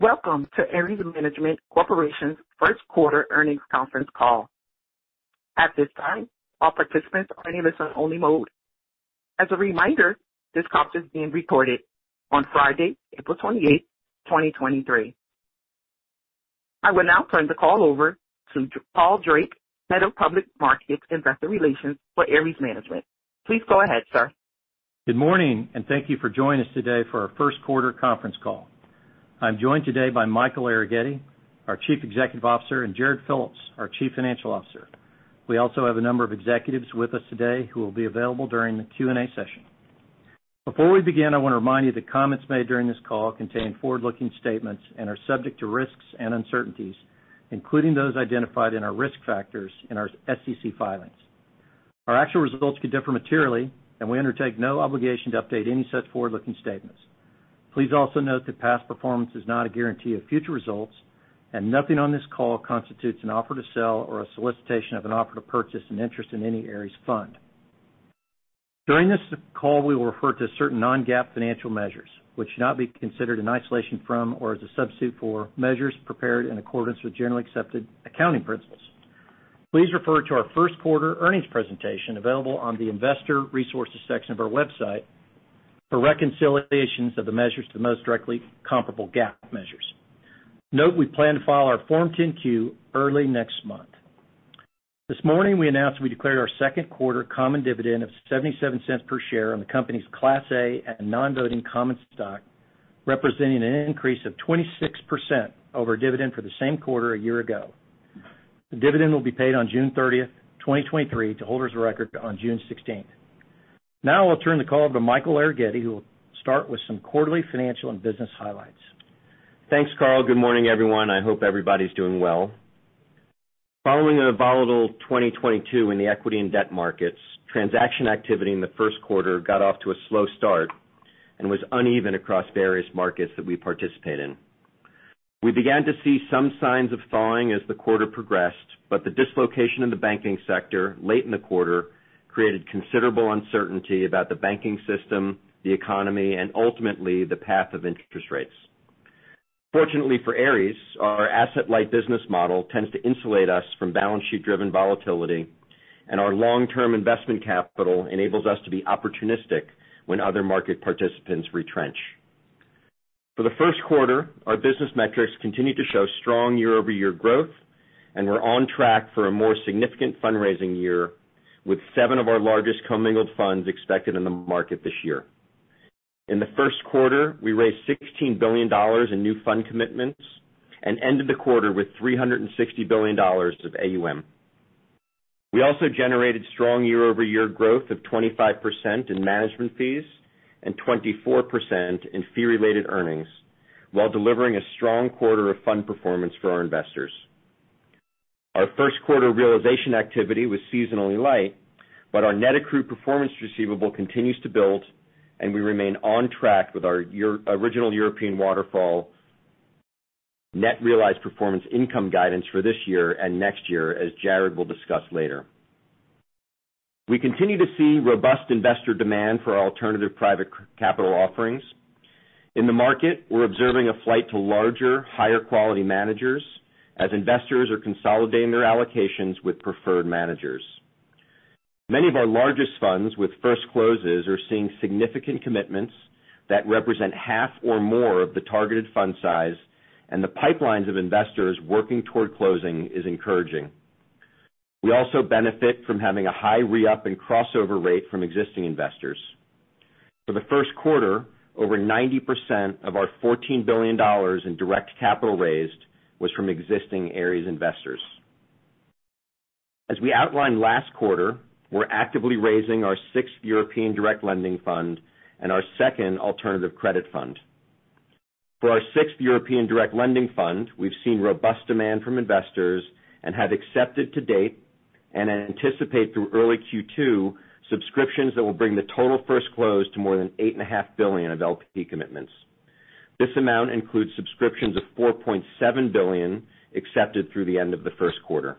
Welcome to Ares Management Corporation's first quarter earnings conference call. At this time, all participants are in a listen only mode. As a reminder, this call is being recorded on Friday, April 28, 2023. I will now turn the call over toCarl Drake, Head of Public Markets Investor Relations for Ares Management. Please go ahead, sir. Good morning. Thank you for joining us today for our first quarter conference call. I'm joined today by Michael Arougheti, our Chief Executive Officer, and Jarrod Phillips, our Chief Financial Officer. We also have a number of executives with us today who will be available during the Q&A session. Before we begin, I wanna remind you that comments made during this call contain forward-looking statements and are subject to risks and uncertainties, including those identified in our risk factors in our SEC filings. Our actual results could differ materially, and we undertake no obligation to update any such forward-looking statements. Please also note that past performance is not a guarantee of future results, and nothing on this call constitutes an offer to sell or a solicitation of an offer to purchase an interest in any Ares fund. During this call, we will refer to certain non-GAAP financial measures, which should not be considered in isolation from or as a substitute for measures prepared in accordance with generally accepted accounting principles. Please refer to our first quarter earnings presentation available on the investor resources section of our website for reconciliations of the measures to the most directly comparable GAAP measures. Note, we plan to file our Form 10-Q early next month. This morning, we announced we declared our second quarter common dividend of $0.77 per share on the company's Class A and non-voting common stock, representing an increase of 26% over dividend for the same quarter a year ago. The dividend will be paid on June 30th, 2023, to holders of record on June 16th. I'll turn the call over to Michael Arougheti, who will start with some quarterly financial and business highlights. Thanks, Carl. Good morning, everyone. I hope everybody's doing well. Following a volatile 2022 in the equity and debt markets, transaction activity in the first quarter got off to a slow start and was uneven across various markets that we participate in. We began to see some signs of thawing as the quarter progressed, but the dislocation in the banking sector late in the quarter created considerable uncertainty about the banking system, the economy, and ultimately, the path of interest rates. Fortunately for Ares, our asset-light business model tends to insulate us from balance sheet-driven volatility, and our long-term investment capital enables us to be opportunistic when other market participants retrench. For the first quarter, our business metrics continued to show strong year-over-year growth, and we're on track for a more significant fundraising year with seven of our largest commingled funds expected in the market this year. In the first quarter, we raised $16 billion in new fund commitments and ended the quarter with $360 billion of AUM. We also generated strong year-over-year growth of 25% in management fees and 24% in Fee Related Earnings while delivering a strong quarter of fund performance for our investors. Our first quarter realization activity was seasonally light, but our net accrued performance receivable continues to build, and we remain on track with our original European waterfall net realized performance income guidance for this year and next year, as Jarrod will discuss later. We continue to see robust investor demand for our alternative private capital offerings. In the market, we're observing a flight to larger, higher quality managers as investors are consolidating their allocations with preferred managers. Many of our largest funds with first closes are seeing significant commitments that represent half or more of the targeted fund size. The pipelines of investors working toward closing is encouraging. We also benefit from having a high re-up and crossover rate from existing investors. For the first quarter, over 90% of our $14 billion in direct capital raised was from existing Ares investors. As we outlined last quarter, we're actively raising our sixth European Direct Lending Fund and our second Alternative Credit Fund. For our sixth European Direct Lending Fund, we've seen robust demand from investors and have accepted to date and anticipate through early Q2 subscriptions that will bring the total first close to more than $8.5 billion of LP commitments. This amount includes subscriptions of $4.7 billion accepted through the end of the first quarter.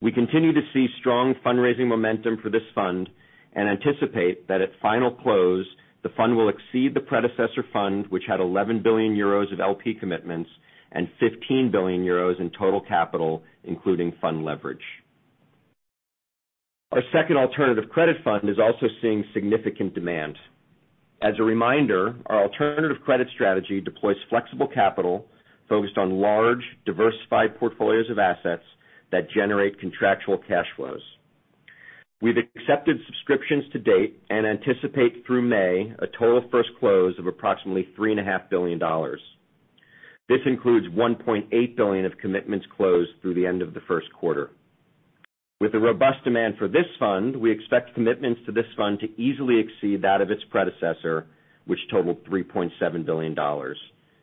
We continue to see strong fundraising momentum for this fund and anticipate that at final close, the fund will exceed the predecessor fund, which had 11 billion euros of LP commitments and 15 billion euros in total capital, including fund leverage. Our second alternative credit fund is also seeing significant demand. As a reminder, our alternative credit strategy deploys flexible capital focused on large, diversified portfolios of assets that generate contractual cash flows. We've accepted subscriptions to date and anticipate through May a total first close of approximately $3.5 billion. This includes $1.8 billion of commitments closed through the end of the first quarter. With the robust demand for this fund, we expect commitments to this fund to easily exceed that of its predecessor, which totaled $3.7 billion,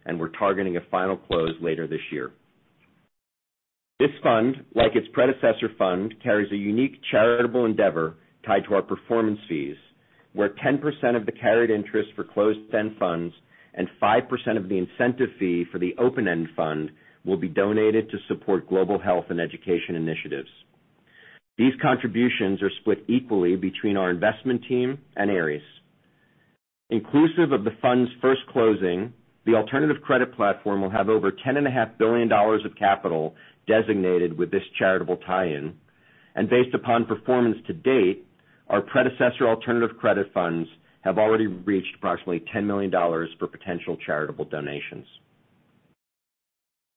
and we're targeting a final close later this year. This fund, like its predecessor fund, carries a unique charitable endeavor tied to our performance fees, where 10% of the carried interest for closed-end funds and 5% of the incentive fee for the open-end fund will be donated to support global health and education initiatives. These contributions are split equally between our investment team and Ares. Inclusive of the fund's first closing, the alternative credit platform will have over $10.5 billion of capital designated with this charitable tie-in. Based upon performance to date, our predecessor alternative credit funds have already reached approximately $10 million for potential charitable donations.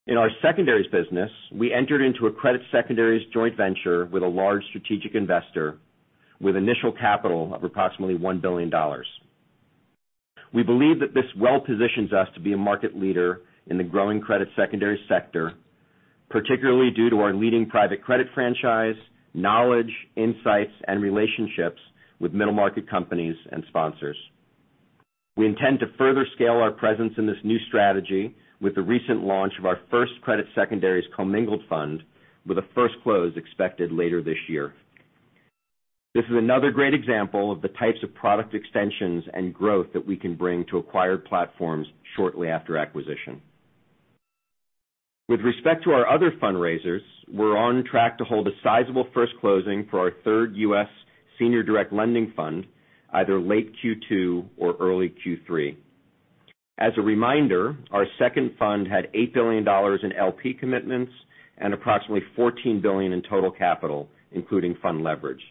In our secondaries business, we entered into a credit secondaries joint venture with a large strategic investor with initial capital of approximately $1 billion. We believe that this well positions us to be a market leader in the growing credit secondary sector, particularly due to our leading private credit franchise, knowledge, insights, and relationships with middle market companies and sponsors. We intend to further scale our presence in this new strategy with the recent launch of our first credit secondaries commingled fund with a first close expected later this year. This is another great example of the types of product extensions and growth that we can bring to acquired platforms shortly after acquisition. With respect to our other fundraisers, we're on track to hold a sizable first closing for our third US senior direct lending fund either late Q2 or early Q3. As a reminder, our second fund had $8 billion in LP commitments and approximately $14 billion in total capital, including fund leverage.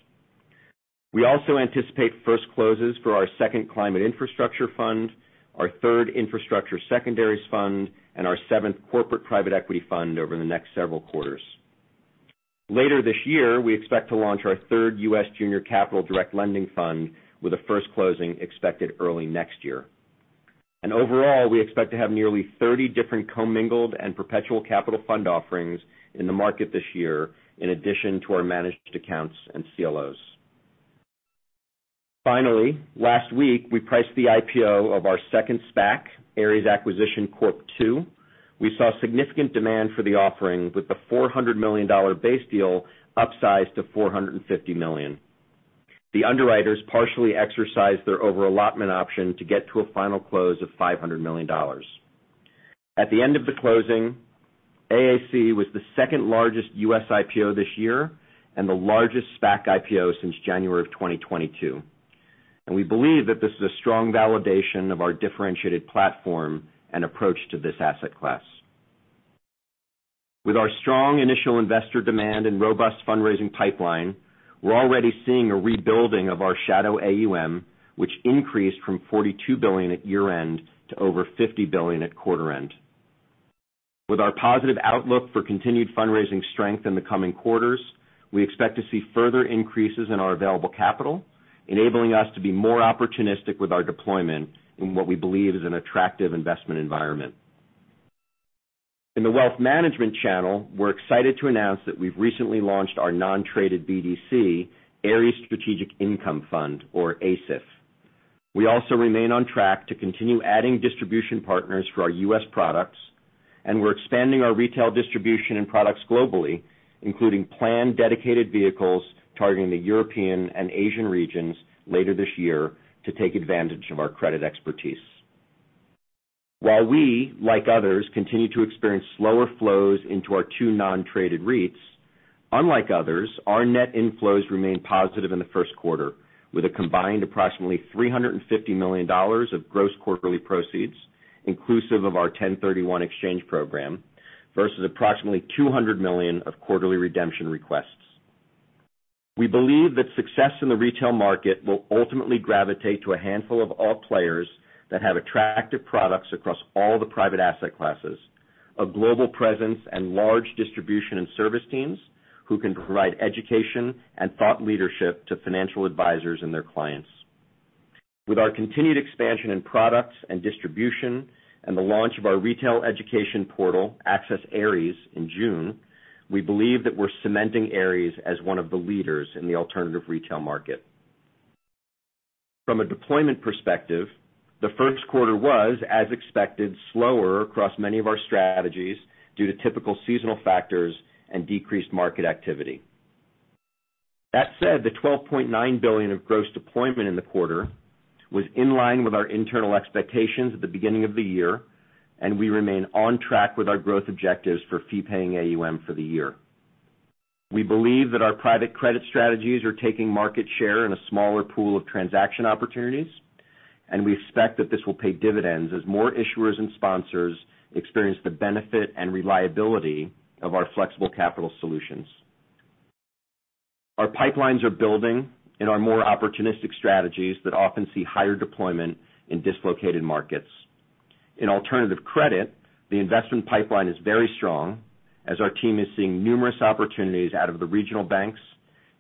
We also anticipate first closes for our second climate infrastructure fund, our third infrastructure secondaries fund, and our seventh corporate private equity fund over the next several quarters. Later this year, we expect to launch our third US junior capital direct lending fund with the first closing expected early next year. Overall, we expect to have nearly 30 different commingled and perpetual capital fund offerings in the market this year in addition to our managed accounts and CLOs. Last week, we priced the IPO of our second SPAC, Ares Acquisition Corp II. We saw significant demand for the offering with the $400 million base deal upsized to $450 million. The underwriters partially exercised their over-allotment option to get to a final close of $500 million. At the end of the closing, AAC was the second largest U.S. IPO this year and the largest SPAC IPO since January of 2022. We believe that this is a strong validation of our differentiated platform and approach to this asset class. With our strong initial investor demand and robust fundraising pipeline, we're already seeing a rebuilding of our shadow AUM, which increased from $42 billion at year-end to over $50 billion at quarter end. With our positive outlook for continued fundraising strength in the coming quarters, we expect to see further increases in our available capital, enabling us to be more opportunistic with our deployment in what we believe is an attractive investment environment. In the wealth management channel, we're excited to announce that we've recently launched our non-traded BDC, Ares Strategic Income Fund, or ASIF. We also remain on track to continue adding distribution partners for our U.S. products. We're expanding our retail distribution and products globally, including planned dedicated vehicles targeting the European and Asian regions later this year to take advantage of our credit expertise. While we, like others, continue to experience slower flows into our two non-traded REITs, unlike others, our net inflows remain positive in the first quarter, with a combined approximately $350 million of gross quarterly proceeds, inclusive of our 1031 exchange program, versus approximately $200 million of quarterly redemption requests. We believe that success in the retail market will ultimately gravitate to a handful of all players that have attractive products across all the private asset classes, a global presence and large distribution and service teams who can provide education and thought leadership to financial advisors and their clients. With our continued expansion in products and distribution and the launch of our retail education portal, Access Ares, in June, we believe that we're cementing Ares as one of the leaders in the alternative retail market. From a deployment perspective, the first quarter was, as expected, slower across many of our strategies due to typical seasonal factors and decreased market activity. That said, the $12.9 billion of gross deployment in the quarter was in line with our internal expectations at the beginning of the year, and we remain on track with our growth objectives for fee-paying AUM for the year. We believe that our private credit strategies are taking market share in a smaller pool of transaction opportunities, and we expect that this will pay dividends as more issuers and sponsors experience the benefit and reliability of our flexible capital solutions. Our pipelines are building in our more opportunistic strategies that often see higher deployment in dislocated markets. In alternative credit, the investment pipeline is very strong as our team is seeing numerous opportunities out of the regional banks,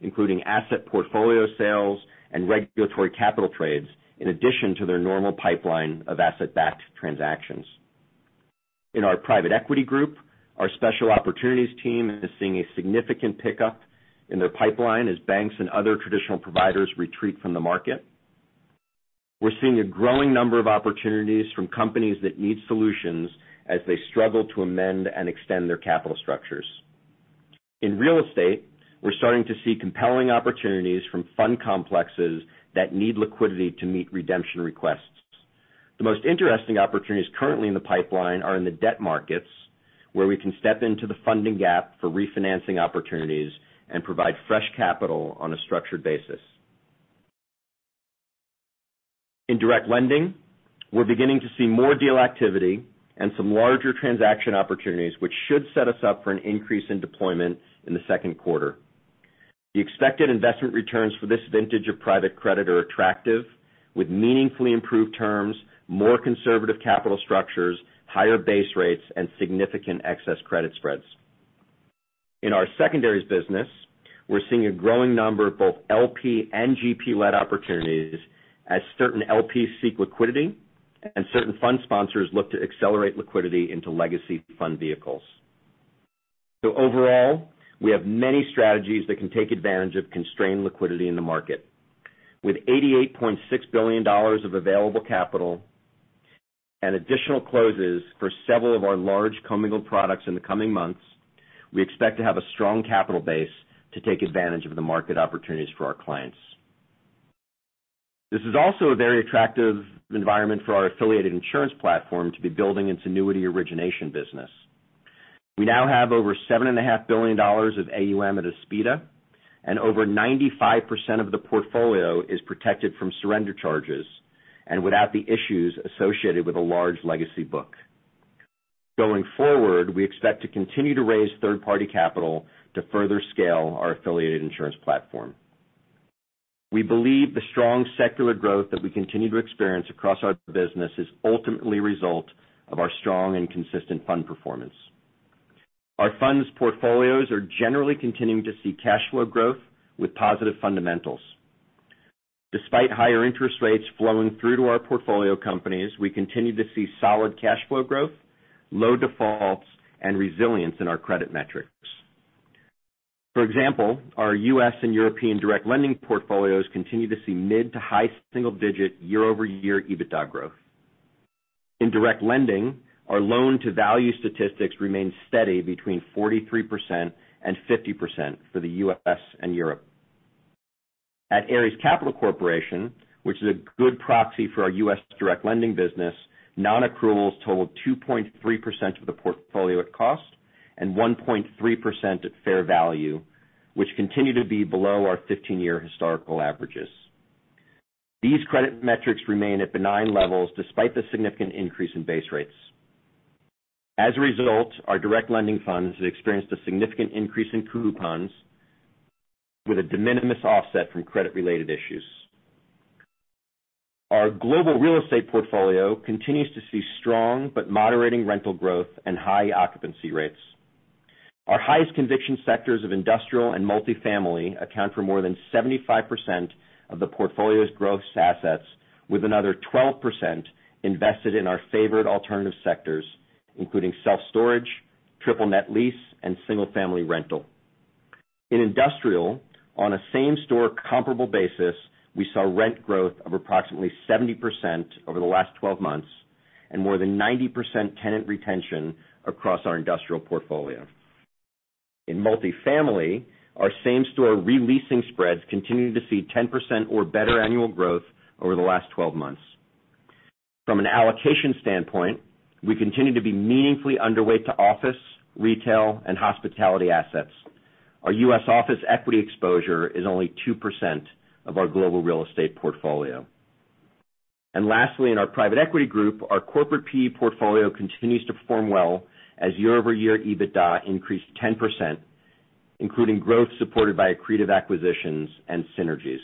including asset portfolio sales and regulatory capital trades, in addition to their normal pipeline of asset-backed transactions. In our private equity group, our special opportunities team is seeing a significant pickup in their pipeline as banks and other traditional providers retreat from the market. We're seeing a growing number of opportunities from companies that need solutions as they struggle to amend and extend their capital structures. In real estate, we're starting to see compelling opportunities from fund complexes that need liquidity to meet redemption requests. The most interesting opportunities currently in the pipeline are in the debt markets, where we can step into the funding gap for refinancing opportunities and provide fresh capital on a structured basis. In direct lending, we're beginning to see more deal activity and some larger transaction opportunities, which should set us up for an increase in deployment in the second quarter. The expected investment returns for this vintage of private credit are attractive, with meaningfully improved terms, more conservative capital structures, higher base rates, and significant excess credit spreads. In our secondaries business, we're seeing a growing number of both LP and GP-led opportunities as certain LPs seek liquidity and certain fund sponsors look to accelerate liquidity into legacy fund vehicles. Overall, we have many strategies that can take advantage of constrained liquidity in the market. With $88.6 billion of available capital and additional closes for several of our large commingled products in the coming months, we expect to have a strong capital base to take advantage of the market opportunities for our clients. This is also a very attractive environment for our affiliated insurance platform to be building its annuity origination business. We now have over $7.5 billion of AUM at Aspida, and over 95% of the portfolio is protected from surrender charges and without the issues associated with a large legacy book. Going forward, we expect to continue to raise third-party capital to further scale our affiliated insurance platform. We believe the strong secular growth that we continue to experience across our business is ultimately a result of our strong and consistent fund performance. Our funds portfolios are generally continuing to see cash flow growth with positive fundamentals. Despite higher interest rates flowing through to our portfolio companies, we continue to see solid cash flow growth, low defaults, and resilience in our credit metrics. For example, our US and European direct lending portfolios continue to see mid to high single digit year-over-year EBITDA growth. In direct lending, our loan-to-value statistics remain steady between 43% and 50% for the US and Europe. At Ares Capital Corporation, which is a good proxy for our US direct lending business, non-accruals totaled 2.3% of the portfolio at cost and 1.3% at fair value, which continue to be below our 15-year historical averages. These credit metrics remain at benign levels despite the significant increase in base rates. As a result, our direct lending funds have experienced a significant increase in coupons with a de minimis offset from credit-related issues. Our global real estate portfolio continues to see strong but moderating rental growth and high occupancy rates. Our highest conviction sectors of industrial and multifamily account for more than 75% of the portfolio's gross assets, with another 12% invested in our favorite alternative sectors, including self-storage, triple net lease, and single family rental. In industrial, on a same-store comparable basis, we saw rent growth of approximately 70% over the last 12 months and more than 90% tenant retention across our industrial portfolio. In multifamily, our same-store re-leasing spreads continued to see 10% or better annual growth over the last 12 months. From an allocation standpoint, we continue to be meaningfully underweight to office, retail, and hospitality assets. Our US office equity exposure is only 2% of our global real estate portfolio. Lastly, in our private equity group, our corporate PE portfolio continues to perform well as year-over-year EBITDA increased 10%, including growth supported by accretive acquisitions and synergies.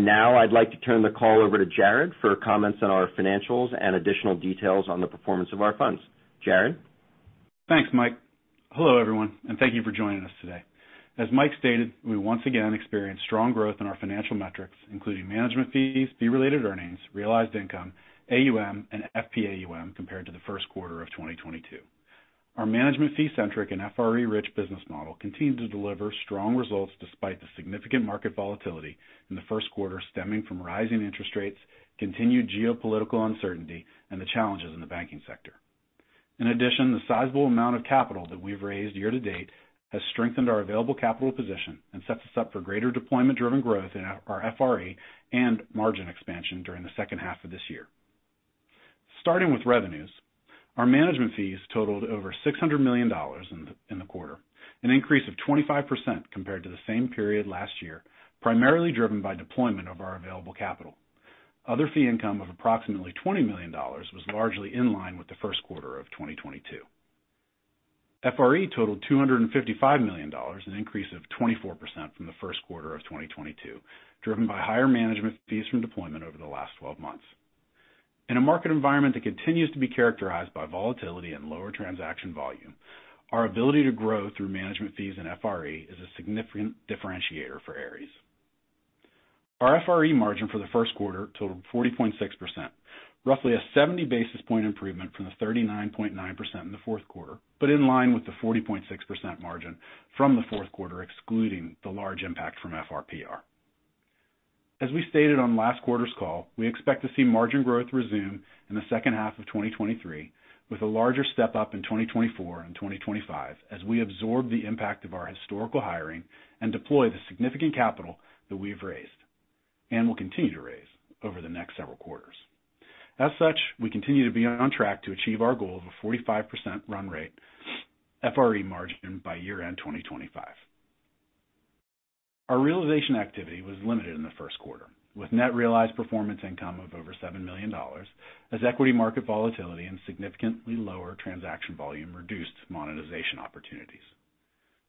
Now I'd like to turn the call over to Jarrod for comments on our financials and additional details on the performance of our funds. Jarrod? Thanks, Mike. Hello, everyone, and thank you for joining us today. As Mike stated, we once again experienced strong growth in our financial metrics, including management fees, fee related earnings, realized income, AUM, and FPAUM compared to the first quarter of 2022. Our management fee centric and FRE rich business model continued to deliver strong results despite the significant market volatility in the first quarter stemming from rising interest rates, continued geopolitical uncertainty, and the challenges in the banking sector. In addition, the sizable amount of capital that we've raised year to date has strengthened our available capital position and sets us up for greater deployment-driven growth in our FRE and margin expansion during the second half of this year. Starting with revenues, our management fees totaled over $600 million in the quarter, an increase of 25% compared to the same period last year, primarily driven by deployment of our available capital. Other fee income of approximately $20 million was largely in line with the first quarter of 2022. FRE totaled $255 million, an increase of 24% from the first quarter of 2022, driven by higher management fees from deployment over the last 12 months. In a market environment that continues to be characterized by volatility and lower transaction volume, our ability to grow through management fees and FRE is a significant differentiator for Ares. Our FRE margin for the first quarter totaled 40.6%, roughly a 70 basis point improvement from the 39.9% in the fourth quarter, but in line with the 40.6% margin from the fourth quarter, excluding the large impact from FRPR. As we stated on last quarter's call, we expect to see margin growth resume in the second half of 2023, with a larger step-up in 2024 and 2025 as we absorb the impact of our historical hiring and deploy the significant capital that we've raised, and will continue to raise over the next several quarters. As such, we continue to be on track to achieve our goal of a 45% run rate FRE margin by year-end 2025. Our realization activity was limited in the first quarter, with net realized performance income of over $7 million as equity market volatility and significantly lower transaction volume reduced monetization opportunities.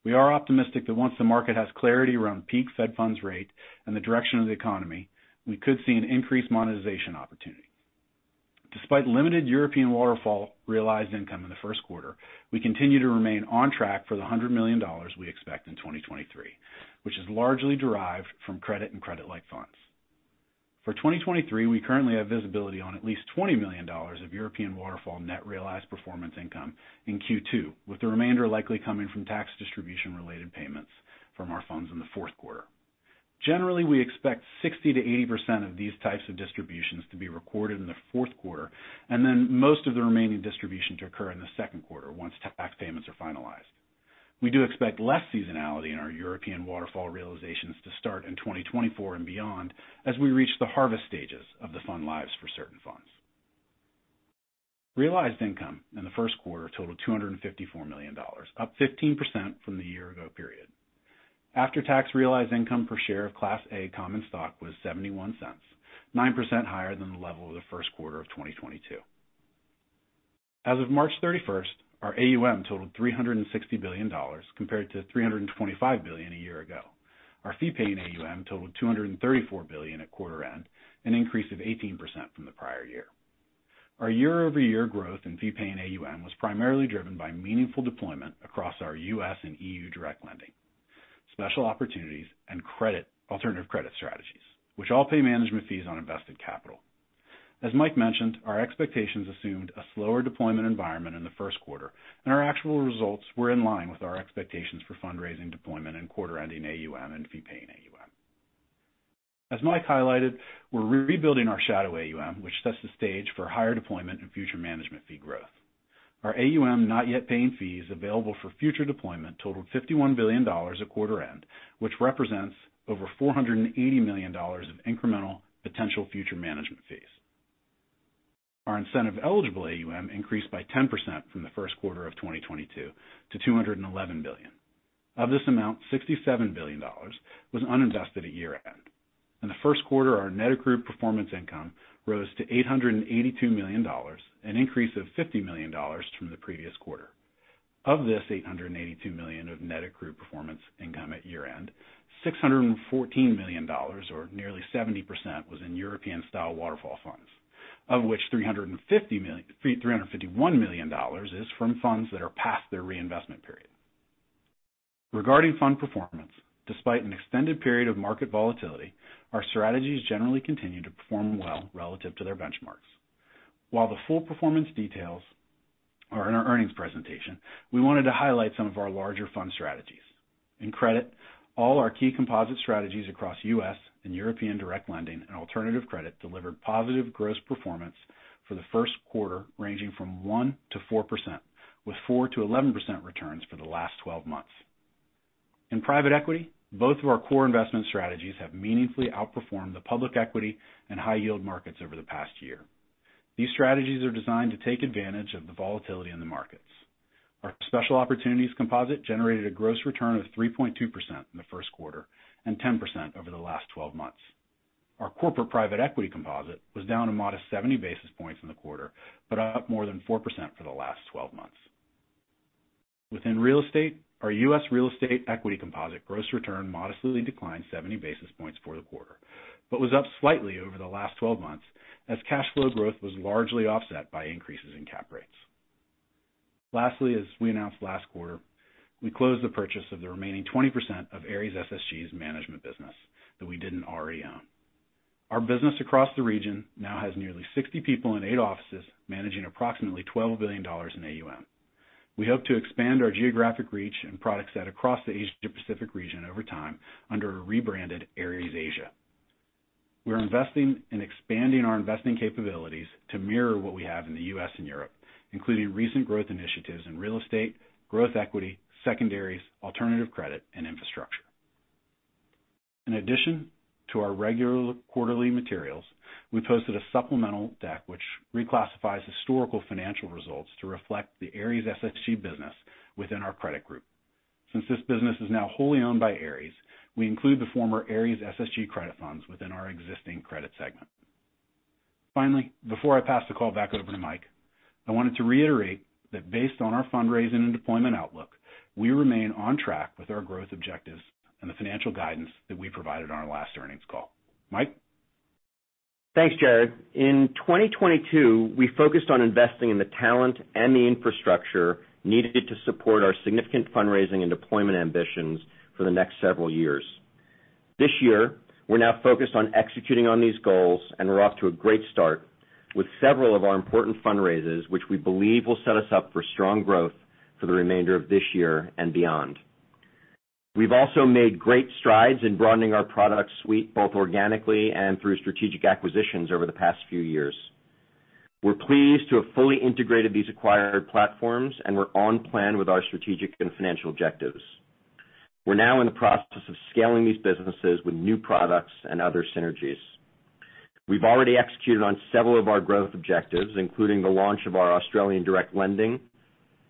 We are optimistic that once the market has clarity around peak Fed funds rate and the direction of the economy, we could see an increased monetization opportunity. Despite limited European waterfall realized income in the first quarter, we continue to remain on track for the $100 million we expect in 2023, which is largely derived from credit and credit-like funds. For 2023, we currently have visibility on at least $20 million of European waterfall net realized performance income in Q two, with the remainder likely coming from tax distribution related payments from our funds in the fourth quarter. Generally, we expect 60%-80% of these types of distributions to be recorded in the fourth quarter, and then most of the remaining distribution to occur in the second quarter once tax payments are finalized. We do expect less seasonality in our European waterfall realizations to start in 2024 and beyond, as we reach the harvest stages of the fund lives for certain funds. Realized income in the first quarter totaled $254 million, up 15% from the year-ago period. After-tax realized income per share of Class A common stock was $0.71, 9% higher than the level of the first quarter of 2022. As of March 31st, our AUM totaled $360 billion, compared to $325 billion a year ago. Our fee paying AUM totaled $234 billion at quarter end, an increase of 18% from the prior year. Our year-over-year growth in fee paying AUM was primarily driven by meaningful deployment across our U.S. and EU direct lending, special opportunities, and alternative credit strategies, which all pay management fees on invested capital. As Mike mentioned, our expectations assumed a slower deployment environment in the first quarter. Our actual results were in line with our expectations for fundraising deployment and quarter ending AUM and fee paying AUM. As Mike highlighted, we're rebuilding our shadow AUM, which sets the stage for higher deployment and future management fee growth. Our AUM not yet paying fees available for future deployment totaled $51 billion at quarter end, which represents over $480 million of incremental potential future management fees. Our incentive eligible AUM increased by 10% from the first quarter of 2022 to $211 billion. Of this amount, $67 billion was uninvested at year-end. In the first quarter, our net accrued performance income rose to $882 million, an increase of $50 million from the previous quarter. Of this $882 million of net accrued performance income at year-end, $614 million, or nearly 70% was in European waterfall funds, of which $351 million is from funds that are past their reinvestment period. Regarding fund performance, despite an extended period of market volatility, our strategies generally continue to perform well relative to their benchmarks. While the full performance details are in our earnings presentation, we wanted to highlight some of our larger fund strategies. In credit, all our key composite strategies across US and European direct lending and alternative credit delivered positive gross performance for the first quarter, ranging from 1%-4%, with 4%-11% returns for the last 12 months. In private equity, both of our core investment strategies have meaningfully outperformed the public equity and high yield markets over the past year. These strategies are designed to take advantage of the volatility in the markets. Our special opportunities composite generated a gross return of 3.2% in the first quarter and 10% over the last 12 months. Our corporate private equity composite was down a modest 70 basis points in the quarter, but up more than 4% for the last 12 months. Within real estate, our U.S. real estate equity composite gross return modestly declined 70 basis points for the quarter, but was up slightly over the last 12 months as cash flow growth was largely offset by increases in cap rates. Lastly, as we announced last quarter, we closed the purchase of the remaining 20% of Ares SSG's management business that we didn't already own. Our business across the region now has nearly 60 people in 8 offices, managing approximately $12 billion in AUM. We hope to expand our geographic reach and product set across the Asia-Pacific region over time under a rebranded Ares Asia. We are investing in expanding our investing capabilities to mirror what we have in the U.S. and Europe, including recent growth initiatives in real estate, growth equity, secondaries, alternative credit and infrastructure. In addition to our regular quarterly materials, we posted a supplemental deck which reclassifies historical financial results to reflect the Ares SSG business within our credit group. Since this business is now wholly owned by Ares, we include the former Ares SSG credit funds within our existing credit segment. Before I pass the call back over to Mike, I wanted to reiterate that based on our fundraising and deployment outlook, we remain on track with our growth objectives and the financial guidance that we provided on our last earnings call. Mike? Thanks, Jarrod. In 2022, we focused on investing in the talent and the infrastructure needed to support our significant fundraising and deployment ambitions for the next several years. This year, we're now focused on executing on these goals, and we're off to a great start with several of our important fundraisers, which we believe will set us up for strong growth for the remainder of this year and beyond. We've also made great strides in broadening our product suite, both organically and through strategic acquisitions over the past few years. We're pleased to have fully integrated these acquired platforms and we're on plan with our strategic and financial objectives. We're now in the process of scaling these businesses with new products and other synergies. We've already executed on several of our growth objectives, including the launch of our Australian direct lending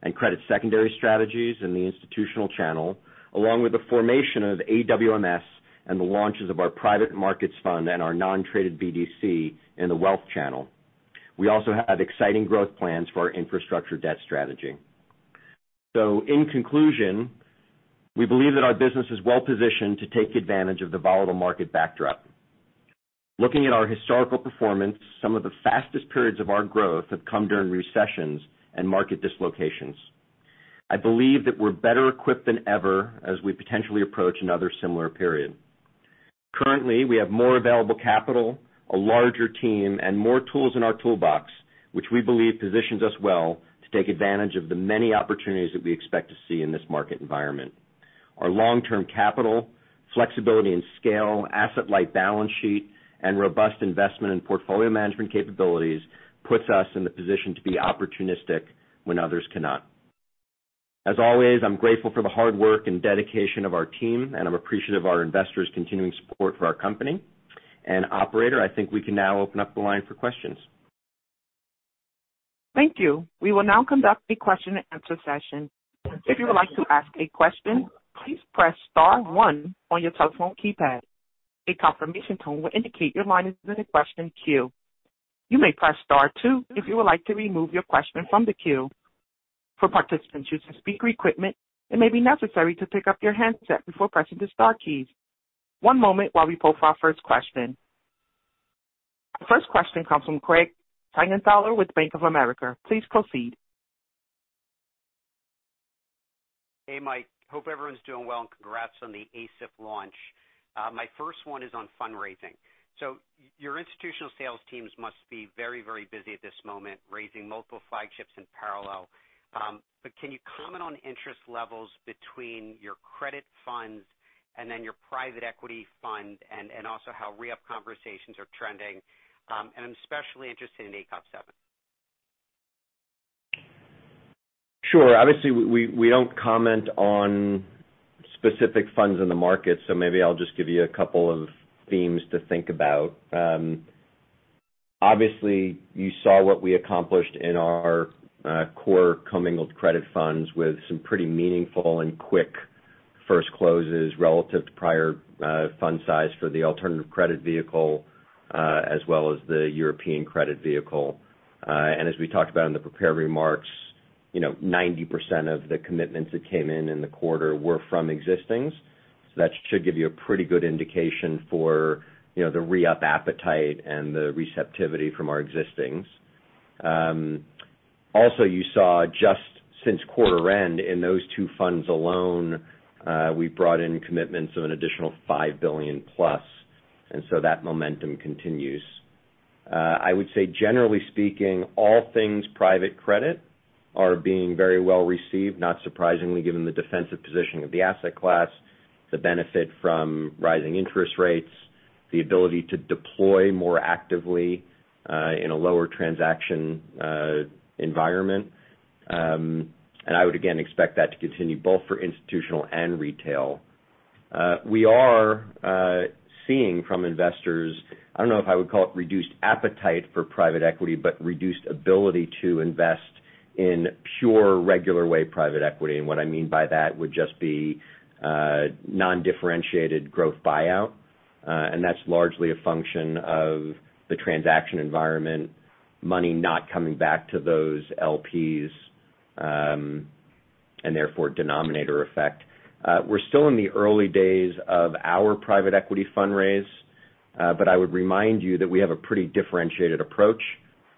and credit secondary strategies in the institutional channel, along with the formation of AWMS and the launches of our Private Markets Fund and our non-traded BDC in the wealth channel. We also have exciting growth plans for our infrastructure debt strategy. In conclusion, we believe that our business is well positioned to take advantage of the volatile market backdrop. Looking at our historical performance, some of the fastest periods of our growth have come during recessions and market dislocations. I believe that we're better equipped than ever as we potentially approach another similar period. Currently, we have more available capital, a larger team, and more tools in our toolbox, which we believe positions us well to take advantage of the many opportunities that we expect to see in this market environment. Our long-term capital, flexibility and scale, asset-light balance sheet, and robust investment in portfolio management capabilities puts us in the position to be opportunistic when others cannot. As always, I'm grateful for the hard work and dedication of our team, and I'm appreciative of our investors' continuing support for our company. Operator, I think we can now open up the line for questions. Thank you. We will now conduct a question-and-answer session. If you would like to ask a question, please press star one on your telephone keypad. A confirmation tone will indicate your line is in the question queue. You may press star two if you would like to remove your question from the queue. For participants using speaker equipment, it may be necessary to pick up your handset before pressing the star keys. One moment while we pull for our first question. The first question comes from Craig Siegenthaler with Bank of America. Please proceed. Hey, Mike. Hope everyone's doing well. Congrats on the ASIF launch. My first one is on fundraising. Your institutional sales teams must be very busy at this moment, raising multiple flagships in parallel. Can you comment on interest levels between your credit funds and then your private equity fund and also how re-up conversations are trending? I'm especially interested in ACOF VII. Sure. Obviously, we don't comment on specific funds in the market, so maybe I'll just give you a couple of themes to think about. Obviously, you saw what we accomplished in our core commingled credit funds with some pretty meaningful and quick first closes relative to prior fund size for the alternative credit vehicle, as well as the European credit vehicle. As we talked about in the prepared remarks, you know, 90% of the commitments that came in in the quarter were from existings. That should give you a pretty good indication for, you know, the re-up appetite and the receptivity from our existings. Also, you saw just since quarter end, in those two funds alone, we brought in commitments of an additional $5 billion+, that momentum continues. I would say generally speaking, all things private credit are being very well received, not surprisingly, given the defensive position of the asset class, the benefit from rising interest rates, the ability to deploy more actively in a lower transaction environment. I would again expect that to continue both for institutional and retail. We are seeing from investors, I don't know if I would call it reduced appetite for private equity, but reduced ability to invest in pure regular way private equity. What I mean by that would just be non-differentiated growth buyout, and that's largely a function of the transaction environment, money not coming back to those LPs, and therefore denominator effect. We're still in the early days of our private equity fundraise, but I would remind you that we have a pretty differentiated approach.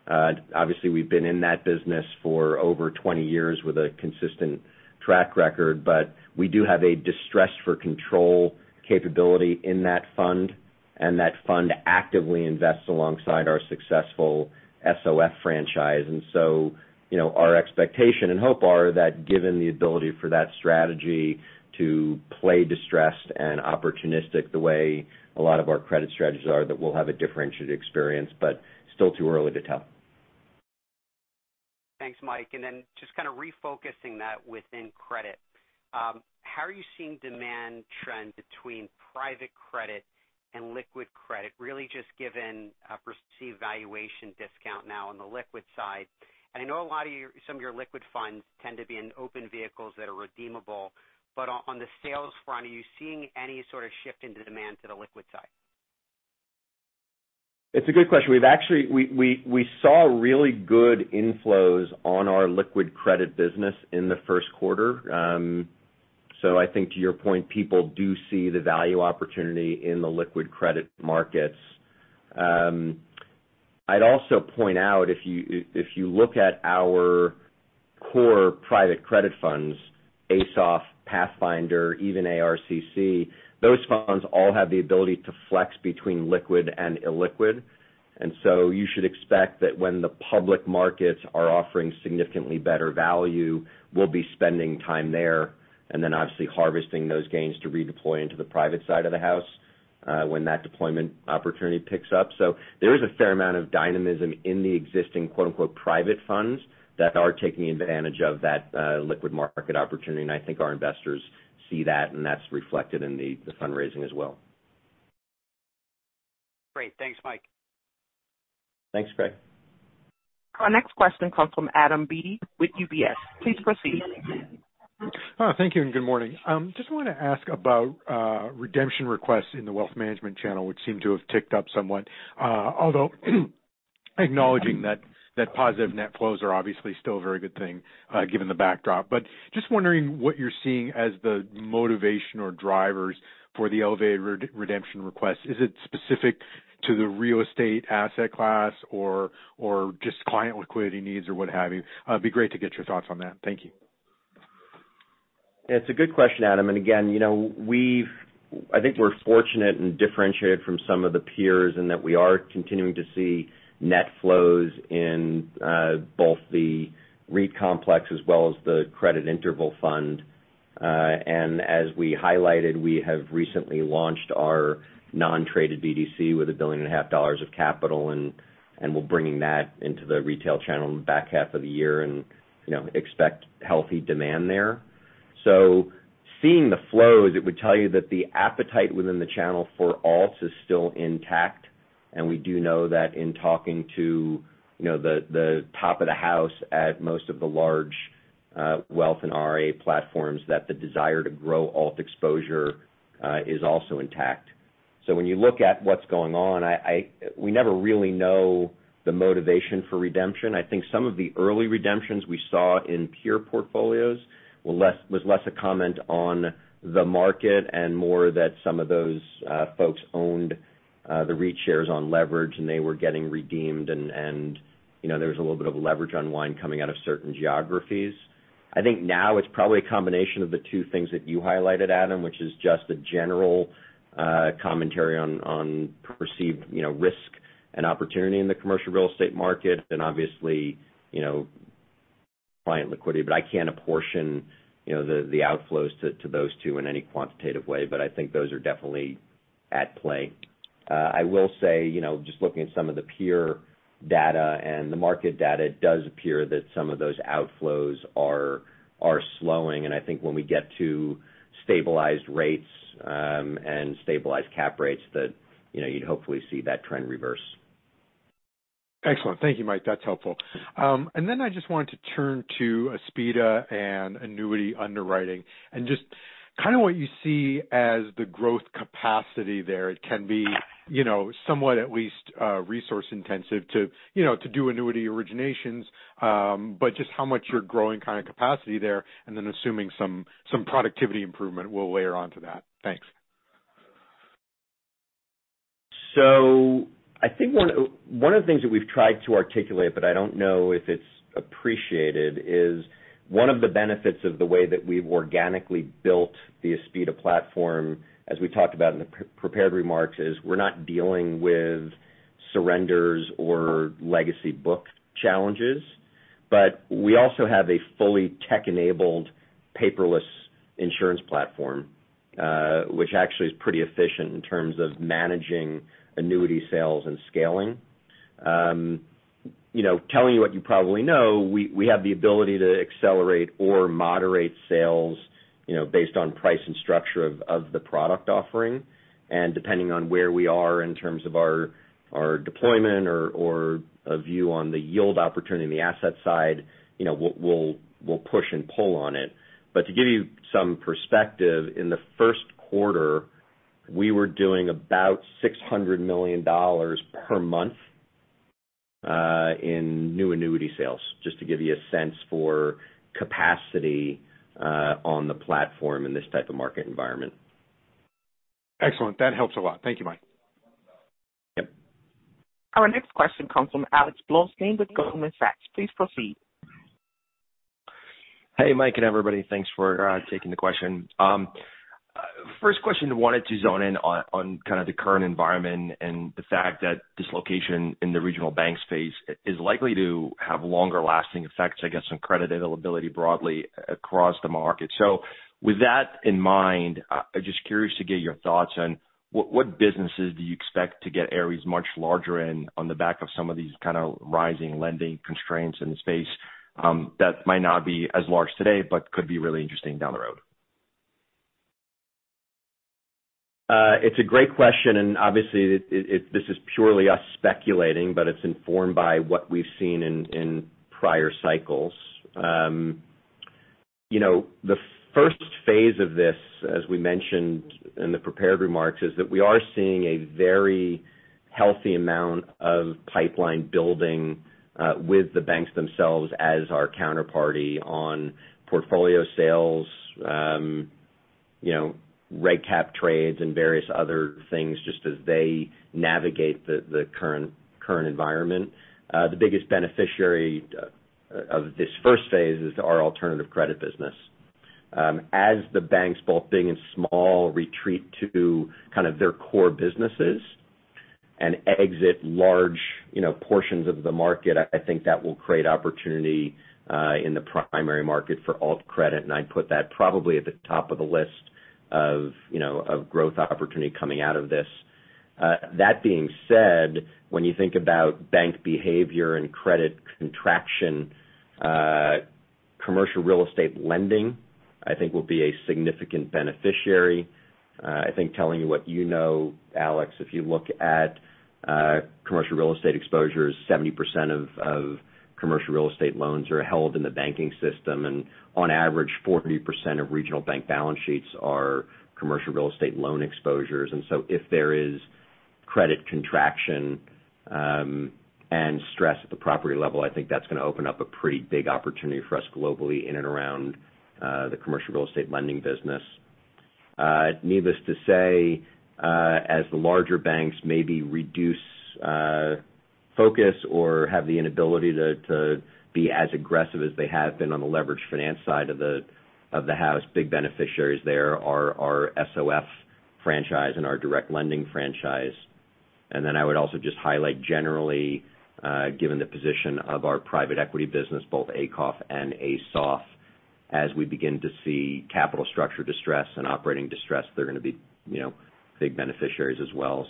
Obviously, we've been in that business for over 20 years with a consistent track record, but we do have a distress for control capability in that fund, and that fund actively invests alongside our successful SOF franchise. You know, our expectation and hope are that given the ability for that strategy to play distressed and opportunistic the way a lot of our credit strategies are, that we'll have a differentiated experience, but still too early to tell. Thanks, Mike. Then just kind of refocusing that within credit, how are you seeing demand trend between private credit and liquid credit, really just given a perceived valuation discount now on the liquid side? I know some of your liquid funds tend to be in open vehicles that are redeemable. On the sales front, are you seeing any sort of shift in the demand to the liquid side? It's a good question. We've actually we saw really good inflows on our liquid credit business in the first quarter. I think to your point, people do see the value opportunity in the liquid credit markets. I'd also point out if you look at our core private credit funds, ASOF, Pathfinder, even ARCC, those funds all have the ability to flex between liquid and illiquid. You should expect that when the public markets are offering significantly better value, we'll be spending time there and then obviously harvesting those gains to redeploy into the private side of the house when that deployment opportunity picks up. There is a fair amount of dynamism in the existing quote-unquote private funds that are taking advantage of that liquid market opportunity. I think our investors see that, and that's reflected in the fundraising as well. Great. Thanks, Mike. Thanks, Craig. Our next question comes from Adam Beatty with UBS. Please proceed. Thank you and good morning. Just wanna ask about redemption requests in the wealth management channel, which seem to have ticked up somewhat, although acknowledging that positive net flows are obviously still a very good thing given the backdrop. Just wondering what you're seeing as the motivation or drivers for the elevated redemption request. Is it specific to the real estate asset class or just client liquidity needs or what have you? It'd be great to get your thoughts on that. Thank you. It's a good question, Adam. Again, you know, we've I think we're fortunate and differentiated from some of the peers in that we are continuing to see net flows in both the REIT complex as well as the credit interval fund. As we highlighted, we have recently launched our non-traded BDC with $1.5 billion of capital, and we're bringing that into the retail channel in the back half of the year and, you know, expect healthy demand there. Seeing the flows, it would tell you that the appetite within the channel for alts is still intact. We do know that in talking to, you know, the top of the house at most of the large wealth and RIA platforms that the desire to grow alt exposure is also intact. When you look at what's going on, we never really know the motivation for redemption. I think some of the early redemptions we saw in peer portfolios was less a comment on the market and more that some of those folks owned the REIT shares on leverage, and they were getting redeemed and, you know, there was a little bit of leverage unwind coming out of certain geographies. I think now it's probably a combination of the two things that you highlighted, Adam, which is just a general commentary on perceived, you know, risk and opportunity in the commercial real estate market. Obviously, you know, client liquidity. I can't apportion, you know, the outflows to those two in any quantitative way. I think those are definitely at play. I will say, you know, just looking at some of the peer data and the market data, it does appear that some of those outflows are slowing. I think when we get to stabilized rates, and stabilized cap rates that, you know, you'd hopefully see that trend reverse. Excellent. Thank you, Mike. That's helpful. I just wanted to turn to Aspida and annuity underwriting and just kinda what you see as the growth capacity there. It can be, you know, somewhat at least, resource intensive to, you know, to do annuity originations, just how much you're growing kinda capacity there, and then assuming some productivity improvement will layer onto that. Thanks. I think one of the things that we've tried to articulate, but I don't know if it's appreciated, is one of the benefits of the way that we've organically built the Aspida platform, as we talked about in the prepared remarks, is we're not dealing with surrenders or legacy book challenges. We also have a fully tech-enabled paperless insurance platform, which actually is pretty efficient in terms of managing annuity sales and scaling. You know, telling you what you probably know, we have the ability to accelerate or moderate sales, you know, based on price and structure of the product offering. Depending on where we are in terms of our deployment or a view on the yield opportunity on the asset side, you know, we'll push and pull on it. To give you some perspective, in the first quarter, we were doing about $600 million per month, in new annuity sales, just to give you a sense for capacity on the platform in this type of market environment. Excellent. That helps a lot. Thank you, Mike. Yep. Our next question comes from Alex Blostein with Goldman Sachs. Please proceed. Hey, Mike and everybody. Thanks for taking the question. First question wanted to zone in on kind of the current environment and the fact that dislocation in the regional bank space is likely to have longer lasting effects, I guess, on credit availability broadly across the market. With that in mind, just curious to get your thoughts on what businesses do you expect to get Ares much larger in on the back of some of these kinda rising lending constraints in the space, that might not be as large today, but could be really interesting down the road? It's a great question, and obviously it, this is purely us speculating, but it's informed by what we've seen in prior cycles. You know, the first phase of this, as we mentioned in the prepared remarks, is that we are seeing a very healthy amount of pipeline building, with the banks themselves as our counterparty on portfolio sales, you know, reg cap trades and various other things just as they navigate the current environment. The biggest beneficiary of this first phase is our alternative credit business. As the banks, both big and small, retreat to kind of their core businesses and exit large, you know, portions of the market. I think that will create opportunity in the primary market for alt credit, I'd put that probably at the top of the list of, you know, of growth opportunity coming out of this. That being said, when you think about bank behavior and credit contraction, commercial real estate lending, I think will be a significant beneficiary. I think telling you what you know, Alex, if you look at commercial real estate exposures, 70% of commercial real estate loans are held in the banking system. On average, 40% of regional bank balance sheets are commercial real estate loan exposures. If there is credit contraction and stress at the property level, I think that's gonna open up a pretty big opportunity for us globally in and around the commercial real estate lending business. Needless to say, as the larger banks maybe reduce focus or have the inability to be as aggressive as they have been on the leverage finance side of the house, big beneficiaries there are our SOF franchise and our direct lending franchise. I would also just highlight generally, given the position of our private equity business, both ACOF and ASOF, as we begin to see capital structure distress and operating distress, they're gonna be, you know, big beneficiaries as well.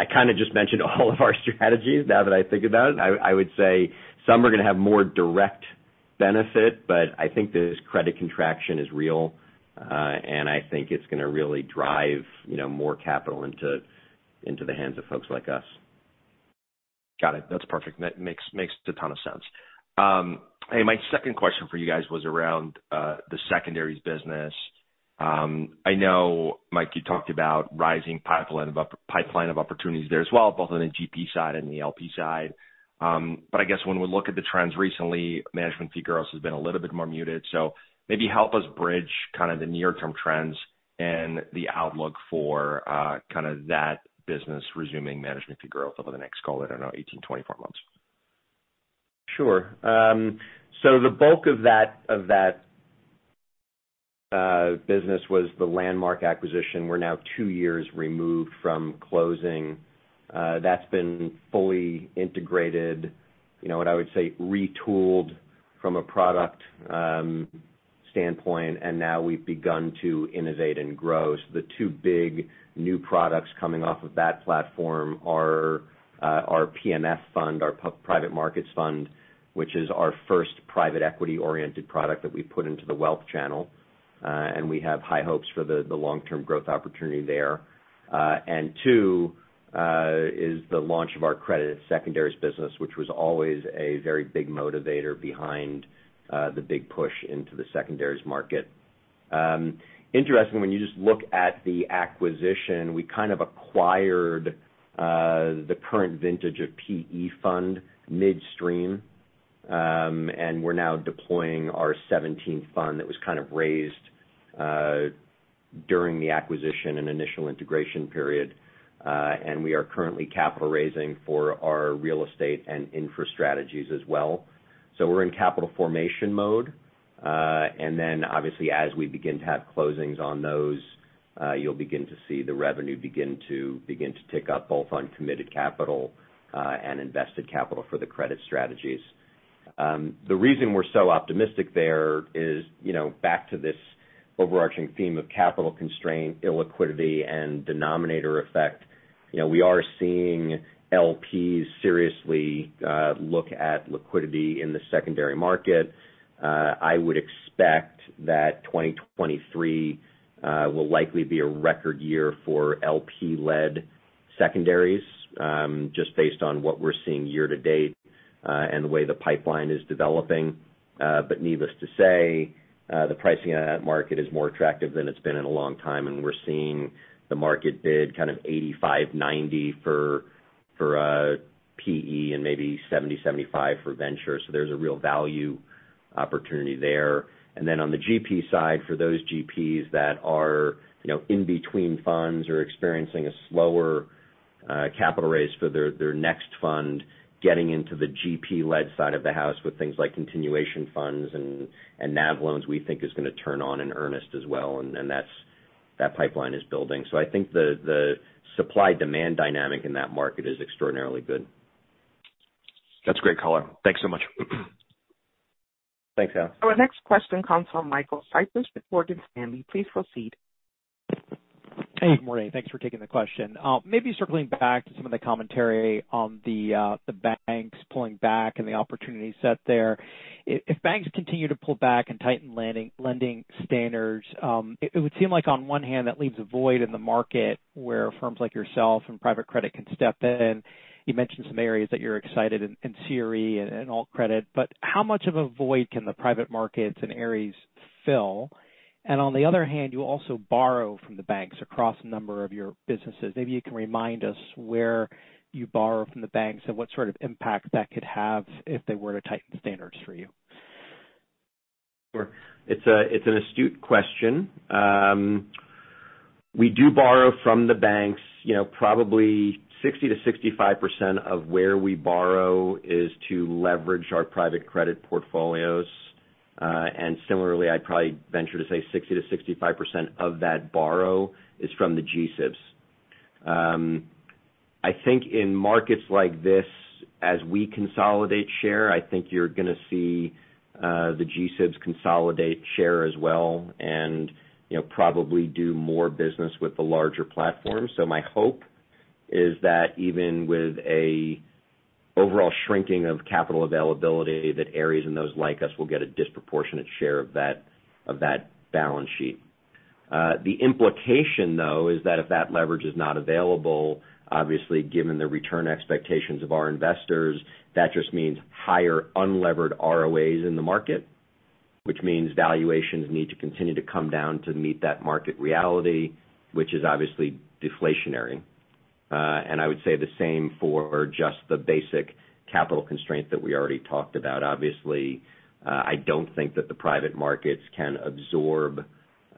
I kinda just mentioned all of our strategies now that I think about it. I would say some are gonna have more direct benefit, but I think this credit contraction is real, and I think it's gonna really drive, you know, more capital into the hands of folks like us. Got it. That's perfect. makes a ton of sense. Hey, my second question for you guys was around the secondaries business. I know, Mike, you talked about rising pipeline of opportunities there as well, both on the GP side and the LP side. But I guess when we look at the trends recently, management fee growth has been a little bit more muted. Maybe help us bridge kind of the near-term trends and the outlook for kinda that business resuming management fee growth over the next call, I don't know, 18, 24 months. Sure. The bulk of that, of that, business was the landmark acquisition. We're now 2 years removed from closing. That's been fully integrated, you know, and I would say retooled from a product standpoint, and now we've begun to innovate and grow. The 2 big new products coming off of that platform are our APMF fund, our private markets fund, which is our first private equity-oriented product that we put into the wealth channel. We have high hopes for the long-term growth opportunity there. 2 is the launch of our credit secondaries business, which was always a very big motivator behind the big push into the secondaries market. Interesting, when you just look at the acquisition, we kind of acquired the current vintage of PE fund midstream, and we're now deploying our 17th fund that was kind of raised during the acquisition and initial integration period. We are currently capital raising for our real estate and infra strategies as well. We're in capital formation mode. Obviously as we begin to have closings on those, you'll begin to see the revenue begin to tick up, both on committed capital and invested capital for the credit strategies. The reason we're so optimistic there is, you know, back to this overarching theme of capital constraint, illiquidity, and denominator effect. You know, we are seeing LPs seriously look at liquidity in the secondary market. I would expect that 2023 will likely be a record year for LP-led secondaries, just based on what we're seeing year to date, and the way the pipeline is developing. Needless to say, the pricing on that market is more attractive than it's been in a long time, and we're seeing the market bid kind of 85%-90% for PE and maybe 70%-75% for venture. There's a real value opportunity there. Then on the GP side, for those GPs that are, you know, in between funds or experiencing a slower capital raise for their next fund, getting into the GP-led side of the house with things like continuation funds and NAV loans, we think is gonna turn on in earnest as well. That pipeline is building. I think the supply-demand dynamic in that market is extraordinarily good. That's great color. Thanks so much. Thanks, Alex. Our next question comes from Michael Cyprys with Morgan Stanley. Please proceed. Hey, good morning. Thanks for taking the question. Maybe circling back to some of the commentary on the banks pulling back and the opportunity set there. If banks continue to pull back and tighten lending standards, it would seem like on one hand, that leaves a void in the market where firms like yourself and private credit can step in. You mentioned some areas that you're excited in CRE and alt credit, but how much of a void can the private markets and Ares fill? On the other hand, you also borrow from the banks across a number of your businesses. Maybe you can remind us where you borrow from the banks and what sort of impact that could have if they were to tighten standards for you. Sure. It's an astute question. we do borrow from the banks, you know, probably 60%-65% of where we borrow is to leverage our private credit portfolios. Similarly, I'd probably venture to say 60%-65% of that borrow is from the GSIBs. I think in markets like this, as we consolidate share, I think you're gonna see the GSIBs consolidate share as well and, you know, probably do more business with the larger platforms. My hope is that even with a overall shrinking of capital availability, that Ares and those like us will get a disproportionate share of that, of that balance sheet. The implication, though, is that if that leverage is not available, obviously, given the return expectations of our investors, that just means higher unlevered ROAs in the market, which means valuations need to continue to come down to meet that market reality, which is obviously deflationary. I would say the same for just the basic capital constraint that we already talked about. Obviously, I don't think that the private markets can absorb,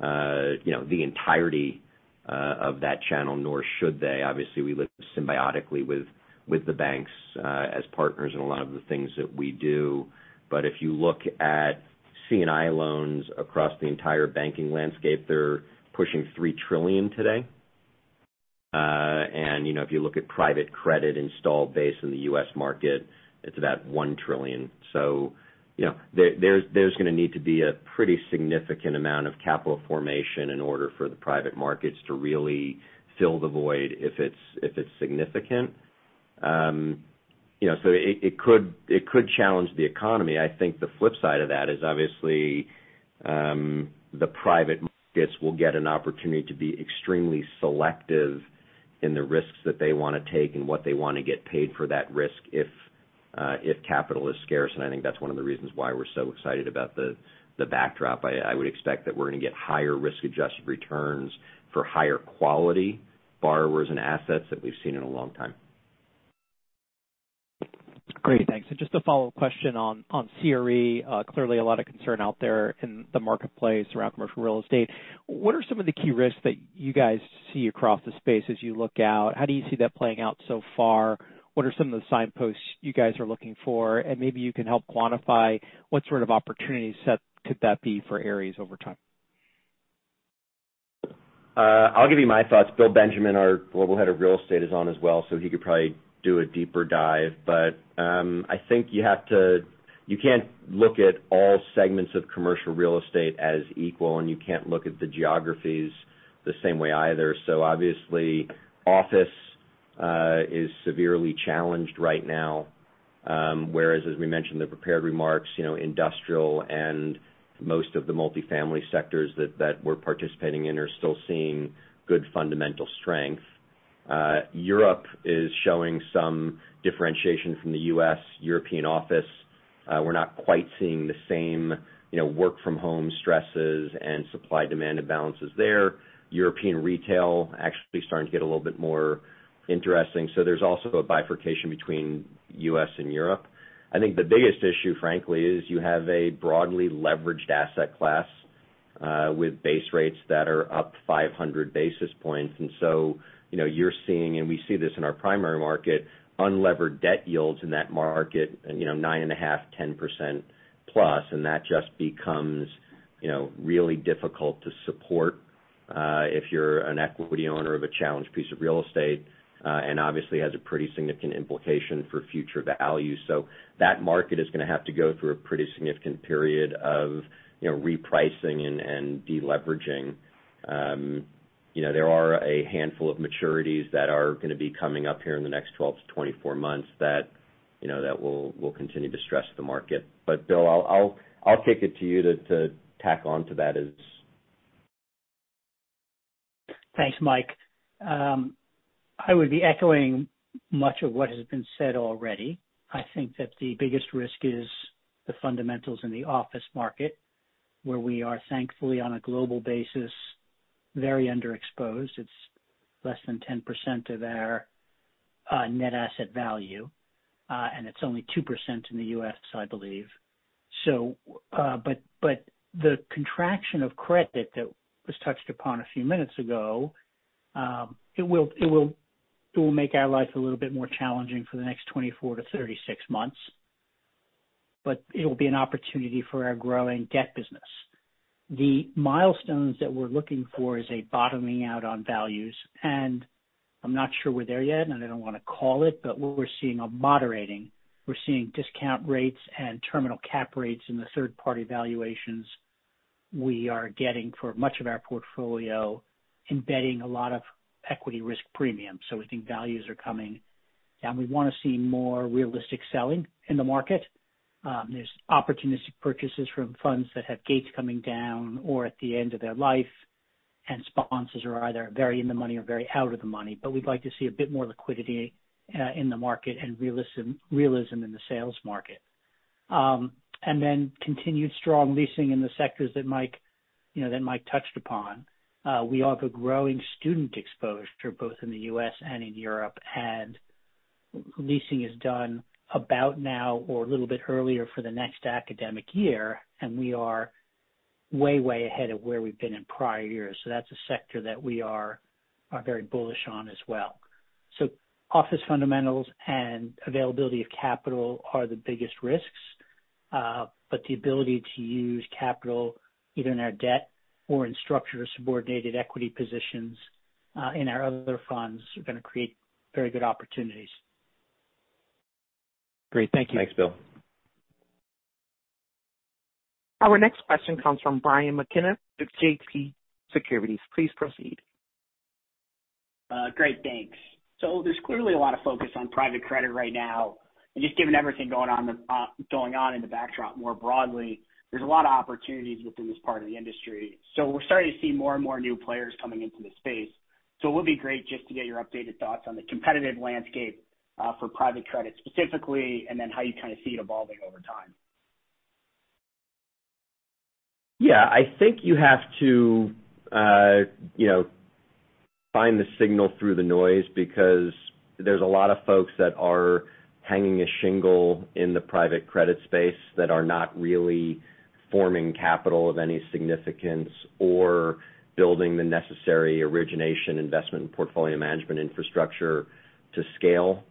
you know, the entirety of that channel, nor should they. Obviously, we live symbiotically with the banks, as partners in a lot of the things that we do. If you look at C&I loans across the entire banking landscape, they're pushing $3 trillion today. You know, if you look at private credit installed base in the US market, it's about $1 trillion. you know, there's gonna need to be a pretty significant amount of capital formation in order for the private markets to really fill the void if it's significant. you know, it could challenge the economy. I think the flip side of that is, obviously, the private markets will get an opportunity to be extremely selective in the risks that they wanna take and what they wanna get paid for that risk if capital is scarce. I think that's one of the reasons why we're so excited about the backdrop. I would expect that we're gonna get higher risk-adjusted returns for higher quality borrowers and assets than we've seen in a long time. Great. Thanks. Just a follow-up question on CRE. clearly a lot of concern out there in the marketplace around commercial real estate. What are some of the key risks that you guys see across the space as you look out? How do you see that playing out so far? What are some of the signposts you guys are looking for? Maybe you can help quantify what sort of opportunities that could that be for Ares over time? I'll give you my thoughts. Bill Benjamin, our Global Head of Real Estate, is on as well, he could probably do a deeper dive. I think you can't look at all segments of commercial real estate as equal, and you can't look at the geographies the same way either. Obviously, office is severely challenged right now. Whereas as we mentioned in the prepared remarks, you know, industrial and most of the multifamily sectors that we're participating in are still seeing good fundamental strength. Europe is showing some differentiation from the U.S. European office, we're not quite seeing the same, you know, work-from-home stresses and supply-demand imbalances there. European retail actually starting to get a little bit more interesting. There's also a bifurcation between U.S. and Europe. I think the biggest issue, frankly, is you have a broadly leveraged asset class with base rates that are up 500 basis points. You know, you're seeing, and we see this in our primary market, unlevered debt yields in that market, you know, 9.5%-10%+ and that just becomes, you know, really difficult to support if you're an equity owner of a challenged piece of real estate and obviously has a pretty significant implication for future value. That market is gonna have to go through a pretty significant period of, you know, repricing and deleveraging. You know, there are a handful of maturities that are gonna be coming up here in the next 12-24 months that, you know, that will continue to stress the market. Bill, I'll kick it to you to tack on to that. Thanks, Mike. I would be echoing much of what has been said already. I think that the biggest risk is the fundamentals in the office market, where we are thankfully on a global basis, very underexposed. It's less than 10% of our net asset value, and it's only 2% in the U.S., I believe. But the contraction of credit that was touched upon a few minutes ago, it will make our life a little bit more challenging for the next 24-36 months, but it'll be an opportunity for our growing debt business. The milestones that we're looking for is a bottoming out on values. I'm not sure we're there yet, and I don't wanna call it, but what we're seeing are moderating. We're seeing discount rates and terminal cap rates in the third-party valuations we are getting for much of our portfolio, embedding a lot of equity risk premium. We think values are coming, and we wanna see more realistic selling in the market. There's opportunistic purchases from funds that have gates coming down or at the end of their life, and sponsors are either very in the money or very out of the money. We'd like to see a bit more liquidity in the market and realism in the sales market. Continued strong leasing in the sectors that Mike, you know, that Mike touched upon. We have a growing student exposure both in the U.S. and in Europe, and leasing is done about now or a little bit earlier for the next academic year. We are Way, way ahead of where we've been in prior years. That's a sector that we are very bullish on as well. Office fundamentals and availability of capital are the biggest risks. The ability to use capital either in our debt or in structured subordinated equity positions, in our other funds are gonna create very good opportunities. Great. Thank you. Thanks, Bill. Our next question comes from Brian McKenna with JMP Securities. Please proceed. Great, thanks. There's clearly a lot of focus on private credit right now. Just given everything going on, going on in the backdrop more broadly, there's a lot of opportunities within this part of the industry. We're starting to see more and more new players coming into the space. It would be great just to get your updated thoughts on the competitive landscape, for private credit specifically, and then how you kind of see it evolving over time. Yeah. I think you have to, you know, find the signal through the noise because there's a lot of folks that are hanging a shingle in the private credit space that are not really forming capital of any significance or building the necessary origination investment and portfolio management infrastructure to scale.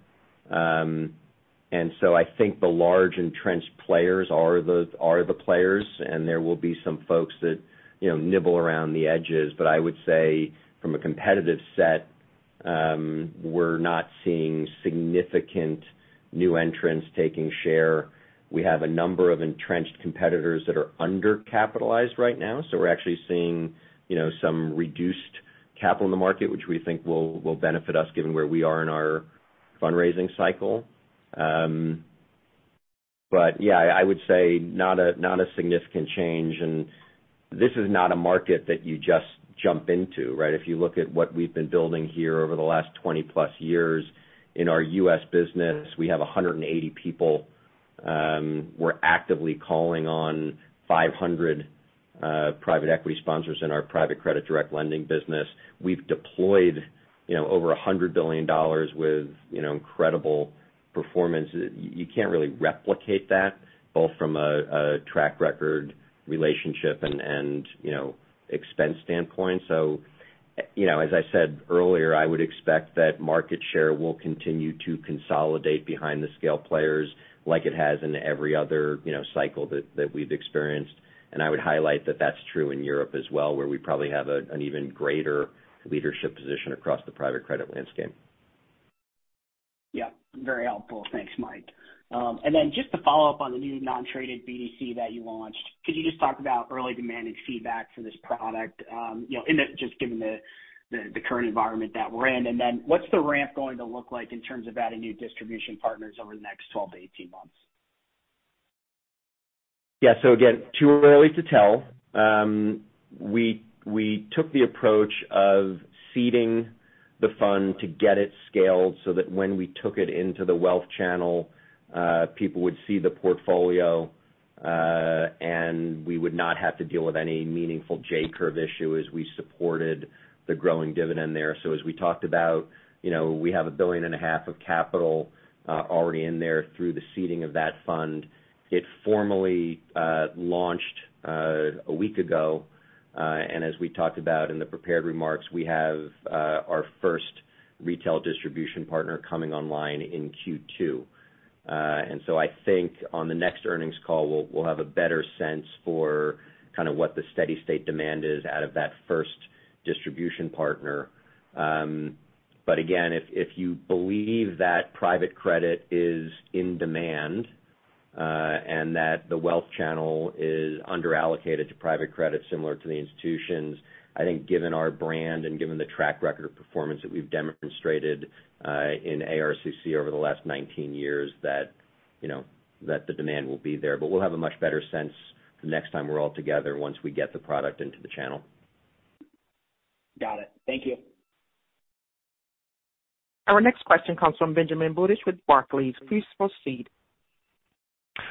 I think the large entrenched players are the players, and there will be some folks that, you know, nibble around the edges. I would say from a competitive set, we're not seeing significant new entrants taking share. We have a number of entrenched competitors that are undercapitalized right now, so we're actually seeing, you know, some reduced capital in the market, which we think will benefit us given where we are in our fundraising cycle. Yeah, I would say not a significant change. This is not a market that you just jump into, right? If you look at what we've been building here over the last 20+ years in our US business, we have 180 people. We're actively calling on 500 private equity sponsors in our private credit direct lending business. We've deployed, you know, over $100 billion with, you know, incredible performance. You can't really replicate that, both from a track record relationship and, you know, expense standpoint. You know, as I said earlier, I would expect that market share will continue to consolidate behind the scale players like it has in every other, you know, cycle that we've experienced. I would highlight that that's true in Europe as well, where we probably have an even greater leadership position across the private credit landscape. Yeah, very helpful. Thanks, Mike. And then just to follow up on the new non-traded BDC that you launched, could you just talk about early demand and feedback for this product in the current environment that we're in? Then what's the ramp going to look like in terms of adding new distribution partners over the next 12-18 months? Yeah. Again, too early to tell. We took the approach of seeding the fund to get it scaled so that when we took it into the wealth channel, people would see the portfolio, and we would not have to deal with any meaningful J-curve issue as we supported the growing dividend there. As we talked about, you know, we have $1.5 billion of capital already in there through the seeding of that fund. It formally launched a week ago, and as we talked about in the prepared remarks, we have our first retail distribution partner coming online in Q2. I think on the next earnings call, we'll have a better sense for kind of what the steady state demand is out of that first distribution partner. Again, if you believe that private credit is in demand, and that the wealth channel is underallocated to private credit similar to the institutions, I think given our brand and given the track record of performance that we've demonstrated, in ARCC over the last 19 years, that the demand will be there. We'll have a much better sense the next time we're all together once we get the product into the channel. Got it. Thank you. Our next question comes from Benjamin Budish with Barclays. Please proceed.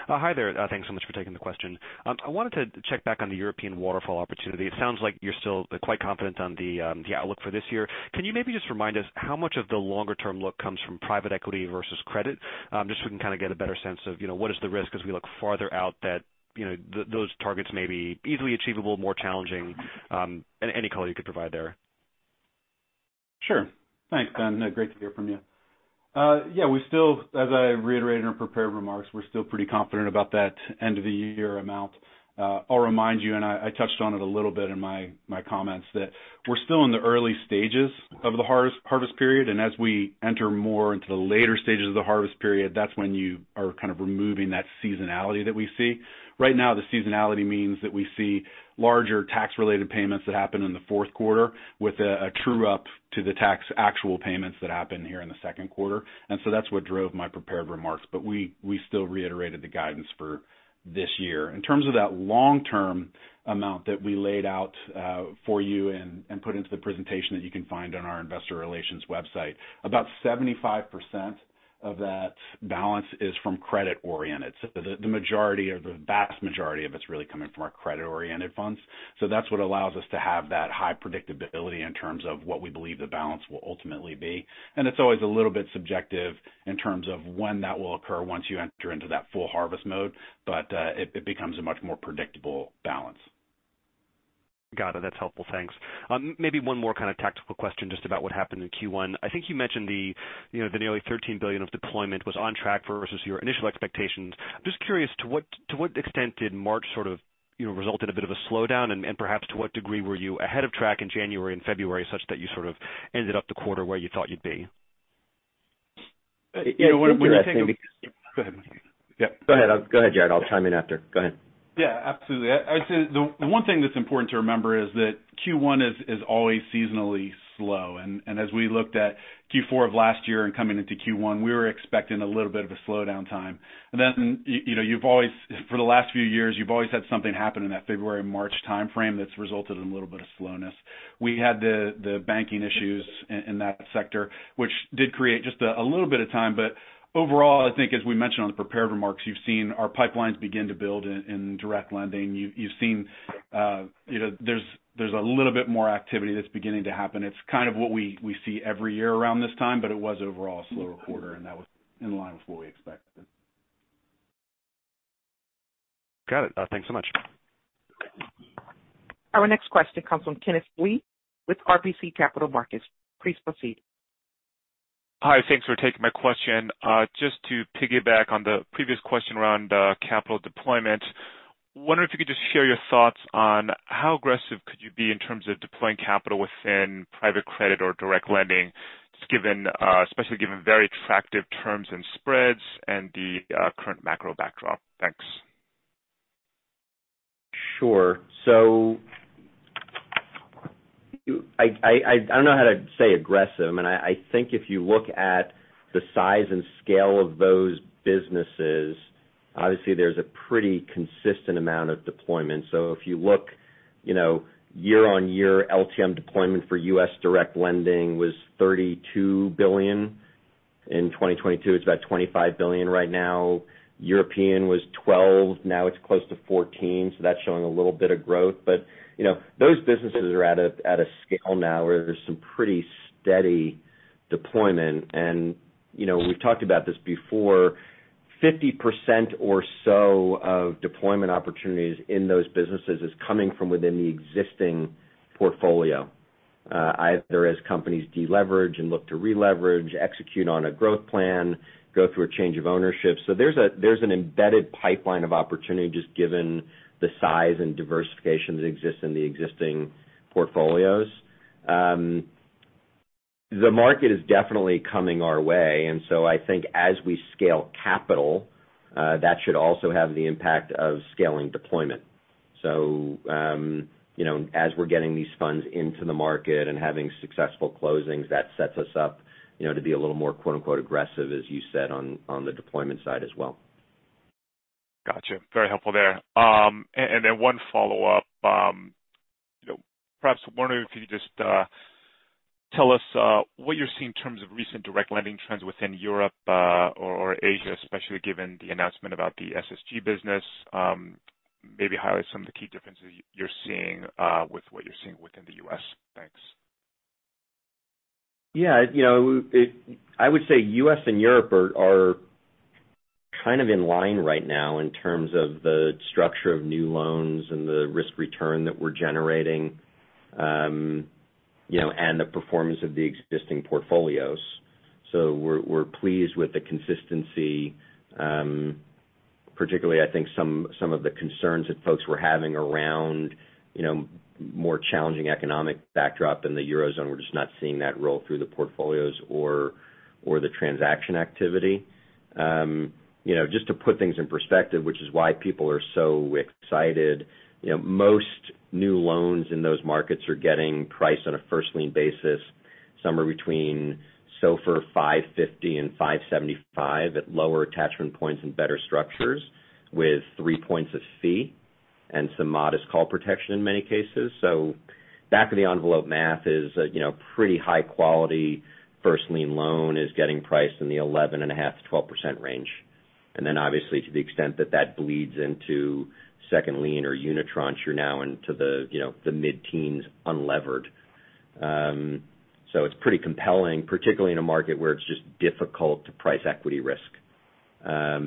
Hi there. Thanks so much for taking the question. I wanted to check back on the European waterfall opportunity. It sounds like you're still quite confident on the outlook for this year. Can you maybe just remind us how much of the longer-term look comes from private equity versus credit? Just so we can kind of get a better sense of, you know, what is the risk as we look farther out that, you know, those targets may be easily achievable, more challenging, any color you could provide there? Sure. Thanks, Ben. Great to hear from you. Yeah, we still, as I reiterated in our prepared remarks, we're still pretty confident about that end of the year amount. I'll remind you, and I touched on it a little bit in my comments, that we're still in the early stages of the harvest period. As we enter more into the later stages of the harvest period, that's when you are kind of removing that seasonality that we see. Right now, the seasonality means that we see larger tax-related payments that happen in the fourth quarter with a true-up to the tax actual payments that happen here in the second quarter. That's what drove my prepared remarks. We still reiterated the guidance for this year. In terms of that long-term amount that we laid out, for you and put into the presentation that you can find on our investor relations website, about 75% of that balance is from credit-oriented. The majority or the vast majority of it's really coming from our credit-oriented funds. That's what allows us to have that high predictability in terms of what we believe the balance will ultimately be. It's always a little bit subjective in terms of when that will occur once you enter into that full harvest mode. It becomes a much more predictable balance. Got it. That's helpful. Thanks. Maybe one more kind of tactical question just about what happened in Q1. I think you mentioned the, you know, the nearly $13 billion of deployment was on track versus your initial expectations. Just curious to what extent did March sort of, you know, result in a bit of a slowdown, and perhaps to what degree were you ahead of track in January and February such that you sort of ended up the quarter where you thought you'd be? You know, when you take... It's interesting because. Go ahead. Yeah, go ahead, Jarrod. I'll chime in after. Go ahead. Yeah, absolutely. I'd say the one thing that's important to remember is that Q1 is always seasonally slow. As we looked at Q4 of last year and coming into Q1, we were expecting a little bit of a slowdown time. Then, you know, for the last few years, you've always had something happen in that February-March timeframe that's resulted in a little bit of slowness. We had the banking issues in that sector, which did create just a little bit of time. Overall, I think as we mentioned on the prepared remarks, you've seen our pipelines begin to build in direct lending. You've seen, you know, there's a little bit more activity that's beginning to happen. It's kind of what we see every year around this time, but it was overall a slower quarter, and that was in line with what we expected. Got it. thanks so much. Our next question comes from Kenneth Lee with RBC Capital Markets. Please proceed. Hi. Thanks for taking my question. Just to piggyback on the previous question around capital deployment, wondering if you could just share your thoughts on how aggressive could you be in terms of deploying capital within private credit or direct lending, given especially given very attractive terms and spreads and the current macro backdrop. Thanks. Sure. I don't know how to say aggressive. I think if you look at the size and scale of those businesses, obviously there's a pretty consistent amount of deployment. If you look, you know, year on year, LTM deployment for U.S. direct lending was $32 billion. In 2022, it's about $25 billion right now. European was $12 billion, now it's close to $14 billion, so that's showing a little bit of growth. You know, those businesses are at a scale now where there's some pretty steady deployment. You know, we've talked about this before, 50% or so of deployment opportunities in those businesses is coming from within the existing portfolio, either as companies deleverage and look to releverage, execute on a growth plan, go through a change of ownership. There's a, there's an embedded pipeline of opportunity just given the size and diversification that exists in the existing portfolios. The market is definitely coming our way, and so I think as we scale capital, that should also have the impact of scaling deployment. You know, as we're getting these funds into the market and having successful closings, that sets us up, you know, to be a little more, quote-unquote, "aggressive," as you said, on the deployment side as well. Gotcha. Very helpful there. One follow-up. You know, perhaps wondering if you could just tell us what you're seeing in terms of recent direct lending trends within Europe or Asia, especially given the announcement about the SSG business. Maybe highlight some of the key differences you're seeing with what you're seeing within the U.S. Thanks. Yeah. You know, I would say U.S. and Europe are kind of in line right now in terms of the structure of new loans and the risk return that we're generating, you know, and the performance of the existing portfolios. We're pleased with the consistency. Particularly I think some of the concerns that folks were having around, you know, more challenging economic backdrop in the Eurozone, we're just not seeing that roll through the portfolios or the transaction activity. You know, just to put things in perspective, which is why people are so excited, you know, most new loans in those markets are getting priced on a first lien basis somewhere between SOFR 550 and 575 at lower attachment points and better structures with 3 points of fee and some modest call protection in many cases. Back of the envelope math is, you know, pretty high quality first lien loan is getting priced in the 11.5%-12% range. Then obviously to the extent that that bleeds into second lien or unitranche, you're now into the, you know, the mid-teens unlevered. It's pretty compelling, particularly in a market where it's just difficult to price equity risk. Asia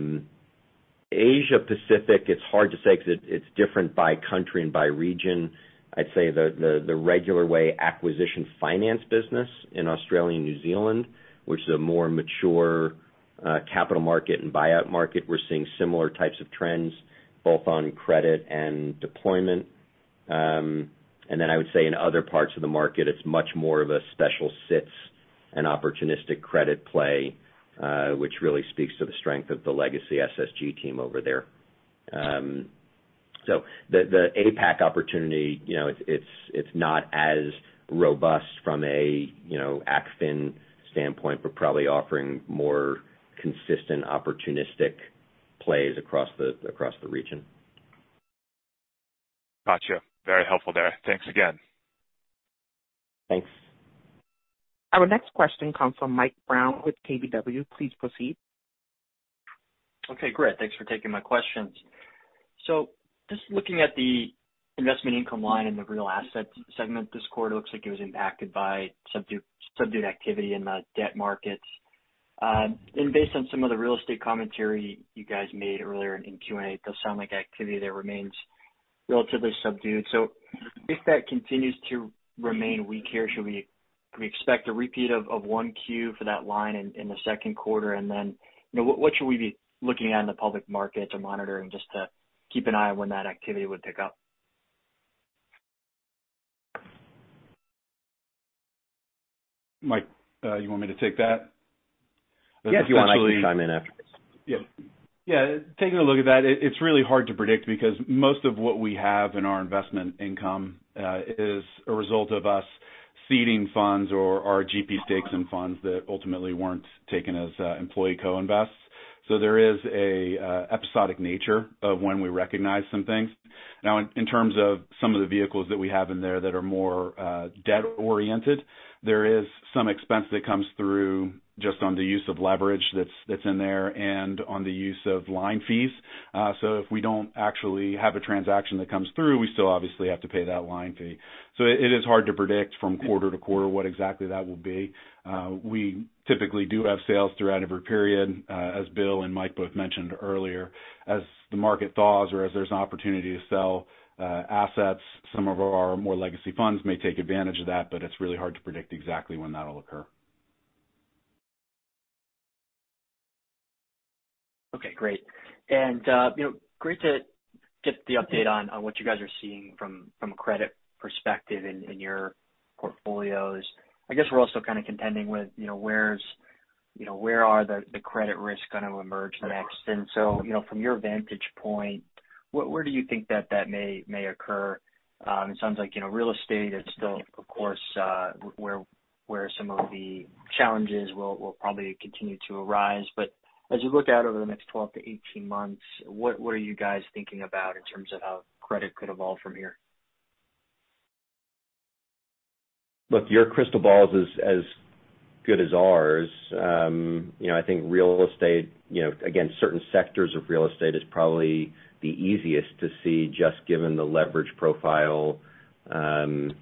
Pacific, it's hard to say because it's different by country and by region. I'd say the, the regular way acquisition finance business in Australia and New Zealand, which is a more mature capital market and buyout market, we're seeing similar types of trends, both on credit and deployment. I would say in other parts of the market, it's much more of a special sits and opportunistic credit play, which really speaks to the strength of the legacy SSG team over there. The APAC opportunity, you know, it's not as robust from a, you know, accretive standpoint, but probably offering more consistent opportunistic plays across the, across the region. Gotcha. Very helpful there. Thanks again. Thanks. Our next question comes from Mike Brown with KBW. Please proceed. Okay, great. Thanks for taking my questions. Just looking at the investment income line in the real asset segment, this quarter looks like it was impacted by subdued activity in the debt markets. Based on some of the real estate commentary you guys made earlier in Q&A, it does sound like activity there remains relatively subdued. If that continues to remain weak here, should we expect a repeat of 1Q for that line in the second quarter? You know, what should we be looking at in the public market or monitoring just to keep an eye on when that activity would pick up? Mike, you want me to take that? Yes, I can chime in after. Yeah. Taking a look at that, it's really hard to predict because most of what we have in our investment income is a result of us seeding funds or our GP stakes in funds that ultimately weren't taken as employee co-invest. There is a episodic nature of when we recognize some things. In terms of some of the vehicles that we have in there that are more debt-oriented, there is some expense that comes through just on the use of leverage that's in there and on the use of line fees. If we don't actually have a transaction that comes through, we still obviously have to pay that line fee. It is hard to predict from quarter to quarter what exactly that will be. We typically do have sales throughout every period, as Bill and Mike both mentioned earlier. As the market thaws or as there's an opportunity to sell assets, some of our more legacy funds may take advantage of that, but it's really hard to predict exactly when that'll occur. Okay, great. You know, great to get the update on what you guys are seeing from a credit perspective in your portfolios. I guess we're also kind of contending with, you know, where are the credit risks going to emerge next? You know, from your vantage point, where do you think that may occur? It sounds like, you know, real estate is still, of course, where some of the challenges will probably continue to arise. As you look out over the next 12 to 18 months, what are you guys thinking about in terms of how credit could evolve from here? Look, your crystal ball is as good as ours. you know, I think real estate, you know, again, certain sectors of real estate is probably the easiest to see just given the leverage profile, and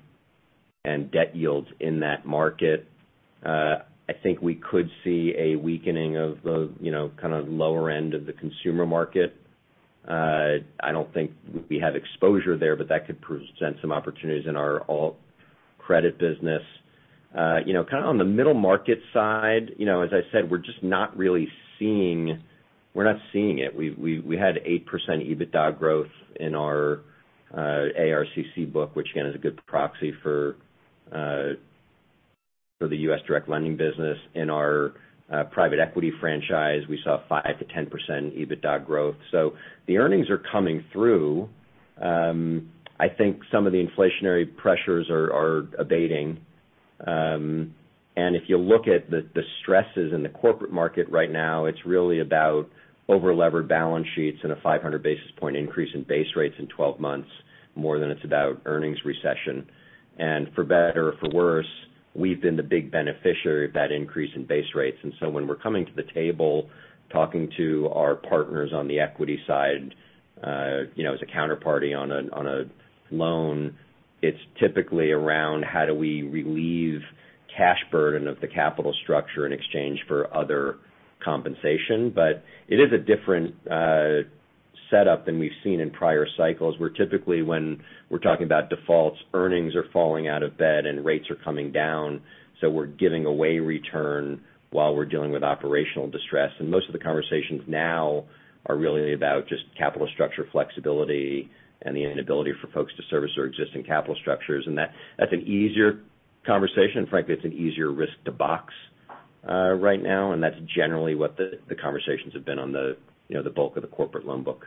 debt yields in that market. I think we could see a weakening of the, you know, kind of lower end of the consumer market. I don't think we have exposure there, but that could present some opportunities in our alt credit business. you know, kind of on the middle market side, you know, as I said, we're not seeing it. We had 8% EBITDA growth in our ARCC book, which again is a good proxy for the U.S. direct lending business. In our private equity franchise, we saw 5%-10% EBITDA growth. The earnings are coming through. I think some of the inflationary pressures are abating. If you look at the stresses in the corporate market right now, it's really about over-levered balance sheets and a 500 basis point increase in base rates in 12 months, more than it's about earnings recession. For better or for worse, we've been the big beneficiary of that increase in base rates. When we're coming to the table talking to our partners on the equity side, you know, as a counterparty on a loan, it's typically around how do we relieve cash burden of the capital structure in exchange for other compensation. It is a different setup than we've seen in prior cycles, where typically when we're talking about defaults, earnings are falling out of bed and rates are coming down, so we're giving away return while we're dealing with operational distress. Most of the conversations now are really about just capital structure flexibility and the inability for folks to service their existing capital structures. That's an easier conversation. Frankly, it's an easier risk to box right now, and that's generally what the conversations have been on the, you know, the bulk of the corporate loan book.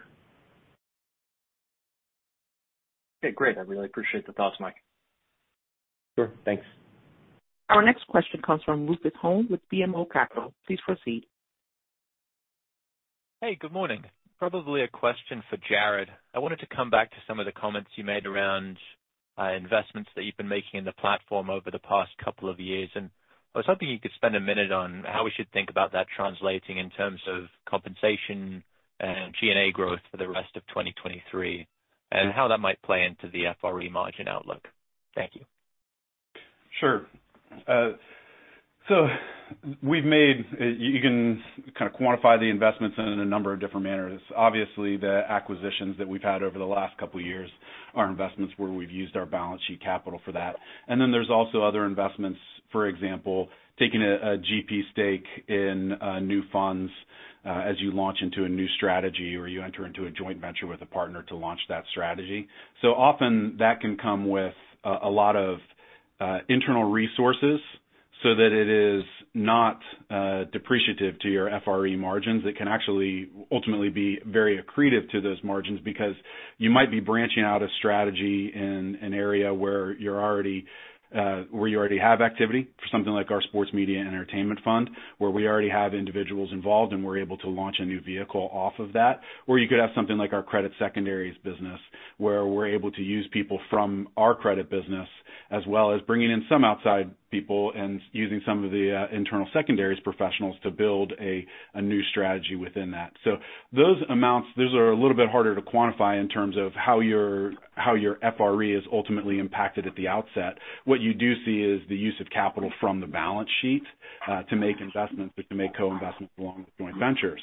Okay, great. I really appreciate the thoughts, Mike. Sure. Thanks. Our next question comes from Luke Holm with BMO Capital. Please proceed. Hey, good morning. Probably a question for Jarrod. I wanted to come back to some of the comments you made around investments that you've been making in the platform over the past couple of years, and I was hoping you could spend a minute on how we should think about that translating in terms of compensation and G&A growth for the rest of 2023, and how that might play into the FRE margin outlook. Thank you. Sure. You can kind of quantify the investments in a number of different manners. Obviously, the acquisitions that we've had over the last couple of years are investments where we've used our balance sheet capital for that. There's also other investments, for example, taking a GP stake in new funds as you launch into a new strategy or you enter into a joint venture with a partner to launch that strategy. Often that can come with a lot of internal resources so that it is not depreciative to your FRE margins. It can actually ultimately be very accretive to those margins because you might be branching out a strategy in- An area where you're already where you already have activity for something like our Sports Media and Entertainment Fund, where we already have individuals involved, and we're able to launch a new vehicle off of that. You could have something like our credit secondaries business, where we're able to use people from our credit business, as well as bringing in some outside people and using some of the internal secondaries professionals to build a new strategy within that. Those amounts, those are a little bit harder to quantify in terms of how your, how your FRE is ultimately impacted at the outset. What you do see is the use of capital from the balance sheet, to make investments or to make co-investments along with joint ventures.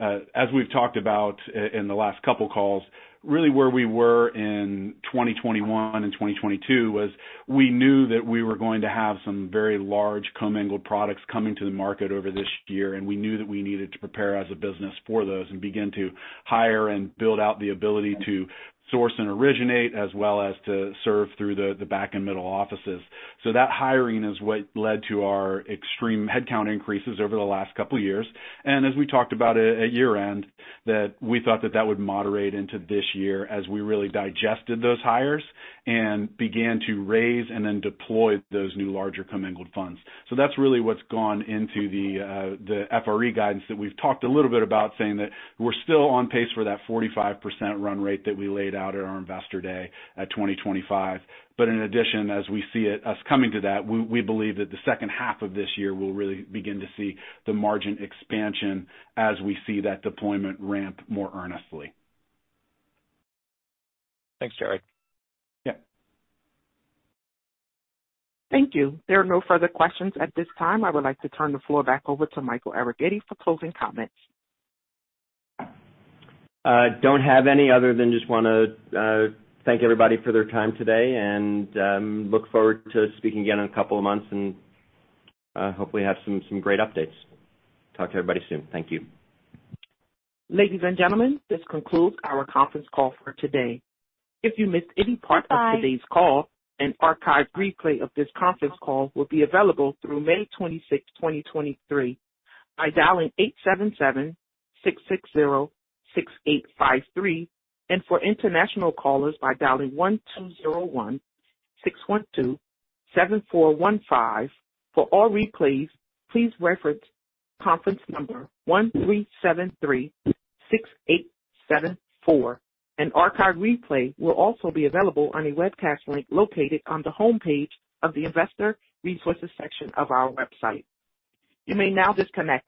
As we've talked about in the last couple calls, really where we were in 2021 and 2022 was we knew that we were going to have some very large commingled products coming to the market over this year. We knew that we needed to prepare as a business for those and begin to hire and build out the ability to source and originate as well as to serve through the back and middle officesThat hiring is what led to our extreme headcount increases over the last couple years. As we talked about it at year-end, that we thought that that would moderate into this year as we really digested those hires and began to raise and then deploy those new larger commingled funds. That's really what's gone into the FRE guidance that we've talked a little bit about saying that we're still on pace for that 45% run rate that we laid out at our Investor Day at 2025. In addition, as we see us coming to that, we believe that the second half of this year will really begin to see the margin expansion as we see that deployment ramp more earnestly. Thanks, Jarrod. Yeah. Thank you. There are no further questions at this time. I would like to turn the floor back over to Michael Arougheti for closing comments. Don't have any other than just wanna thank everybody for their time today. Look forward to speaking again in a couple of months and hopefully have some great updates. Talk to everybody soon. Thank you. Ladies and gentlemen, this concludes our conference call for today. If you missed any part of today's call, an archived replay of this conference call will be available through May 26, 2023 by dialing 877-660-6853. For international callers, by dialing 1-201-612-7415. For all replays, please reference conference number 13,736,874. An archived replay will also be available on a webcast link located on the homepage of the Investor Resources section of our website. You may now disconnect.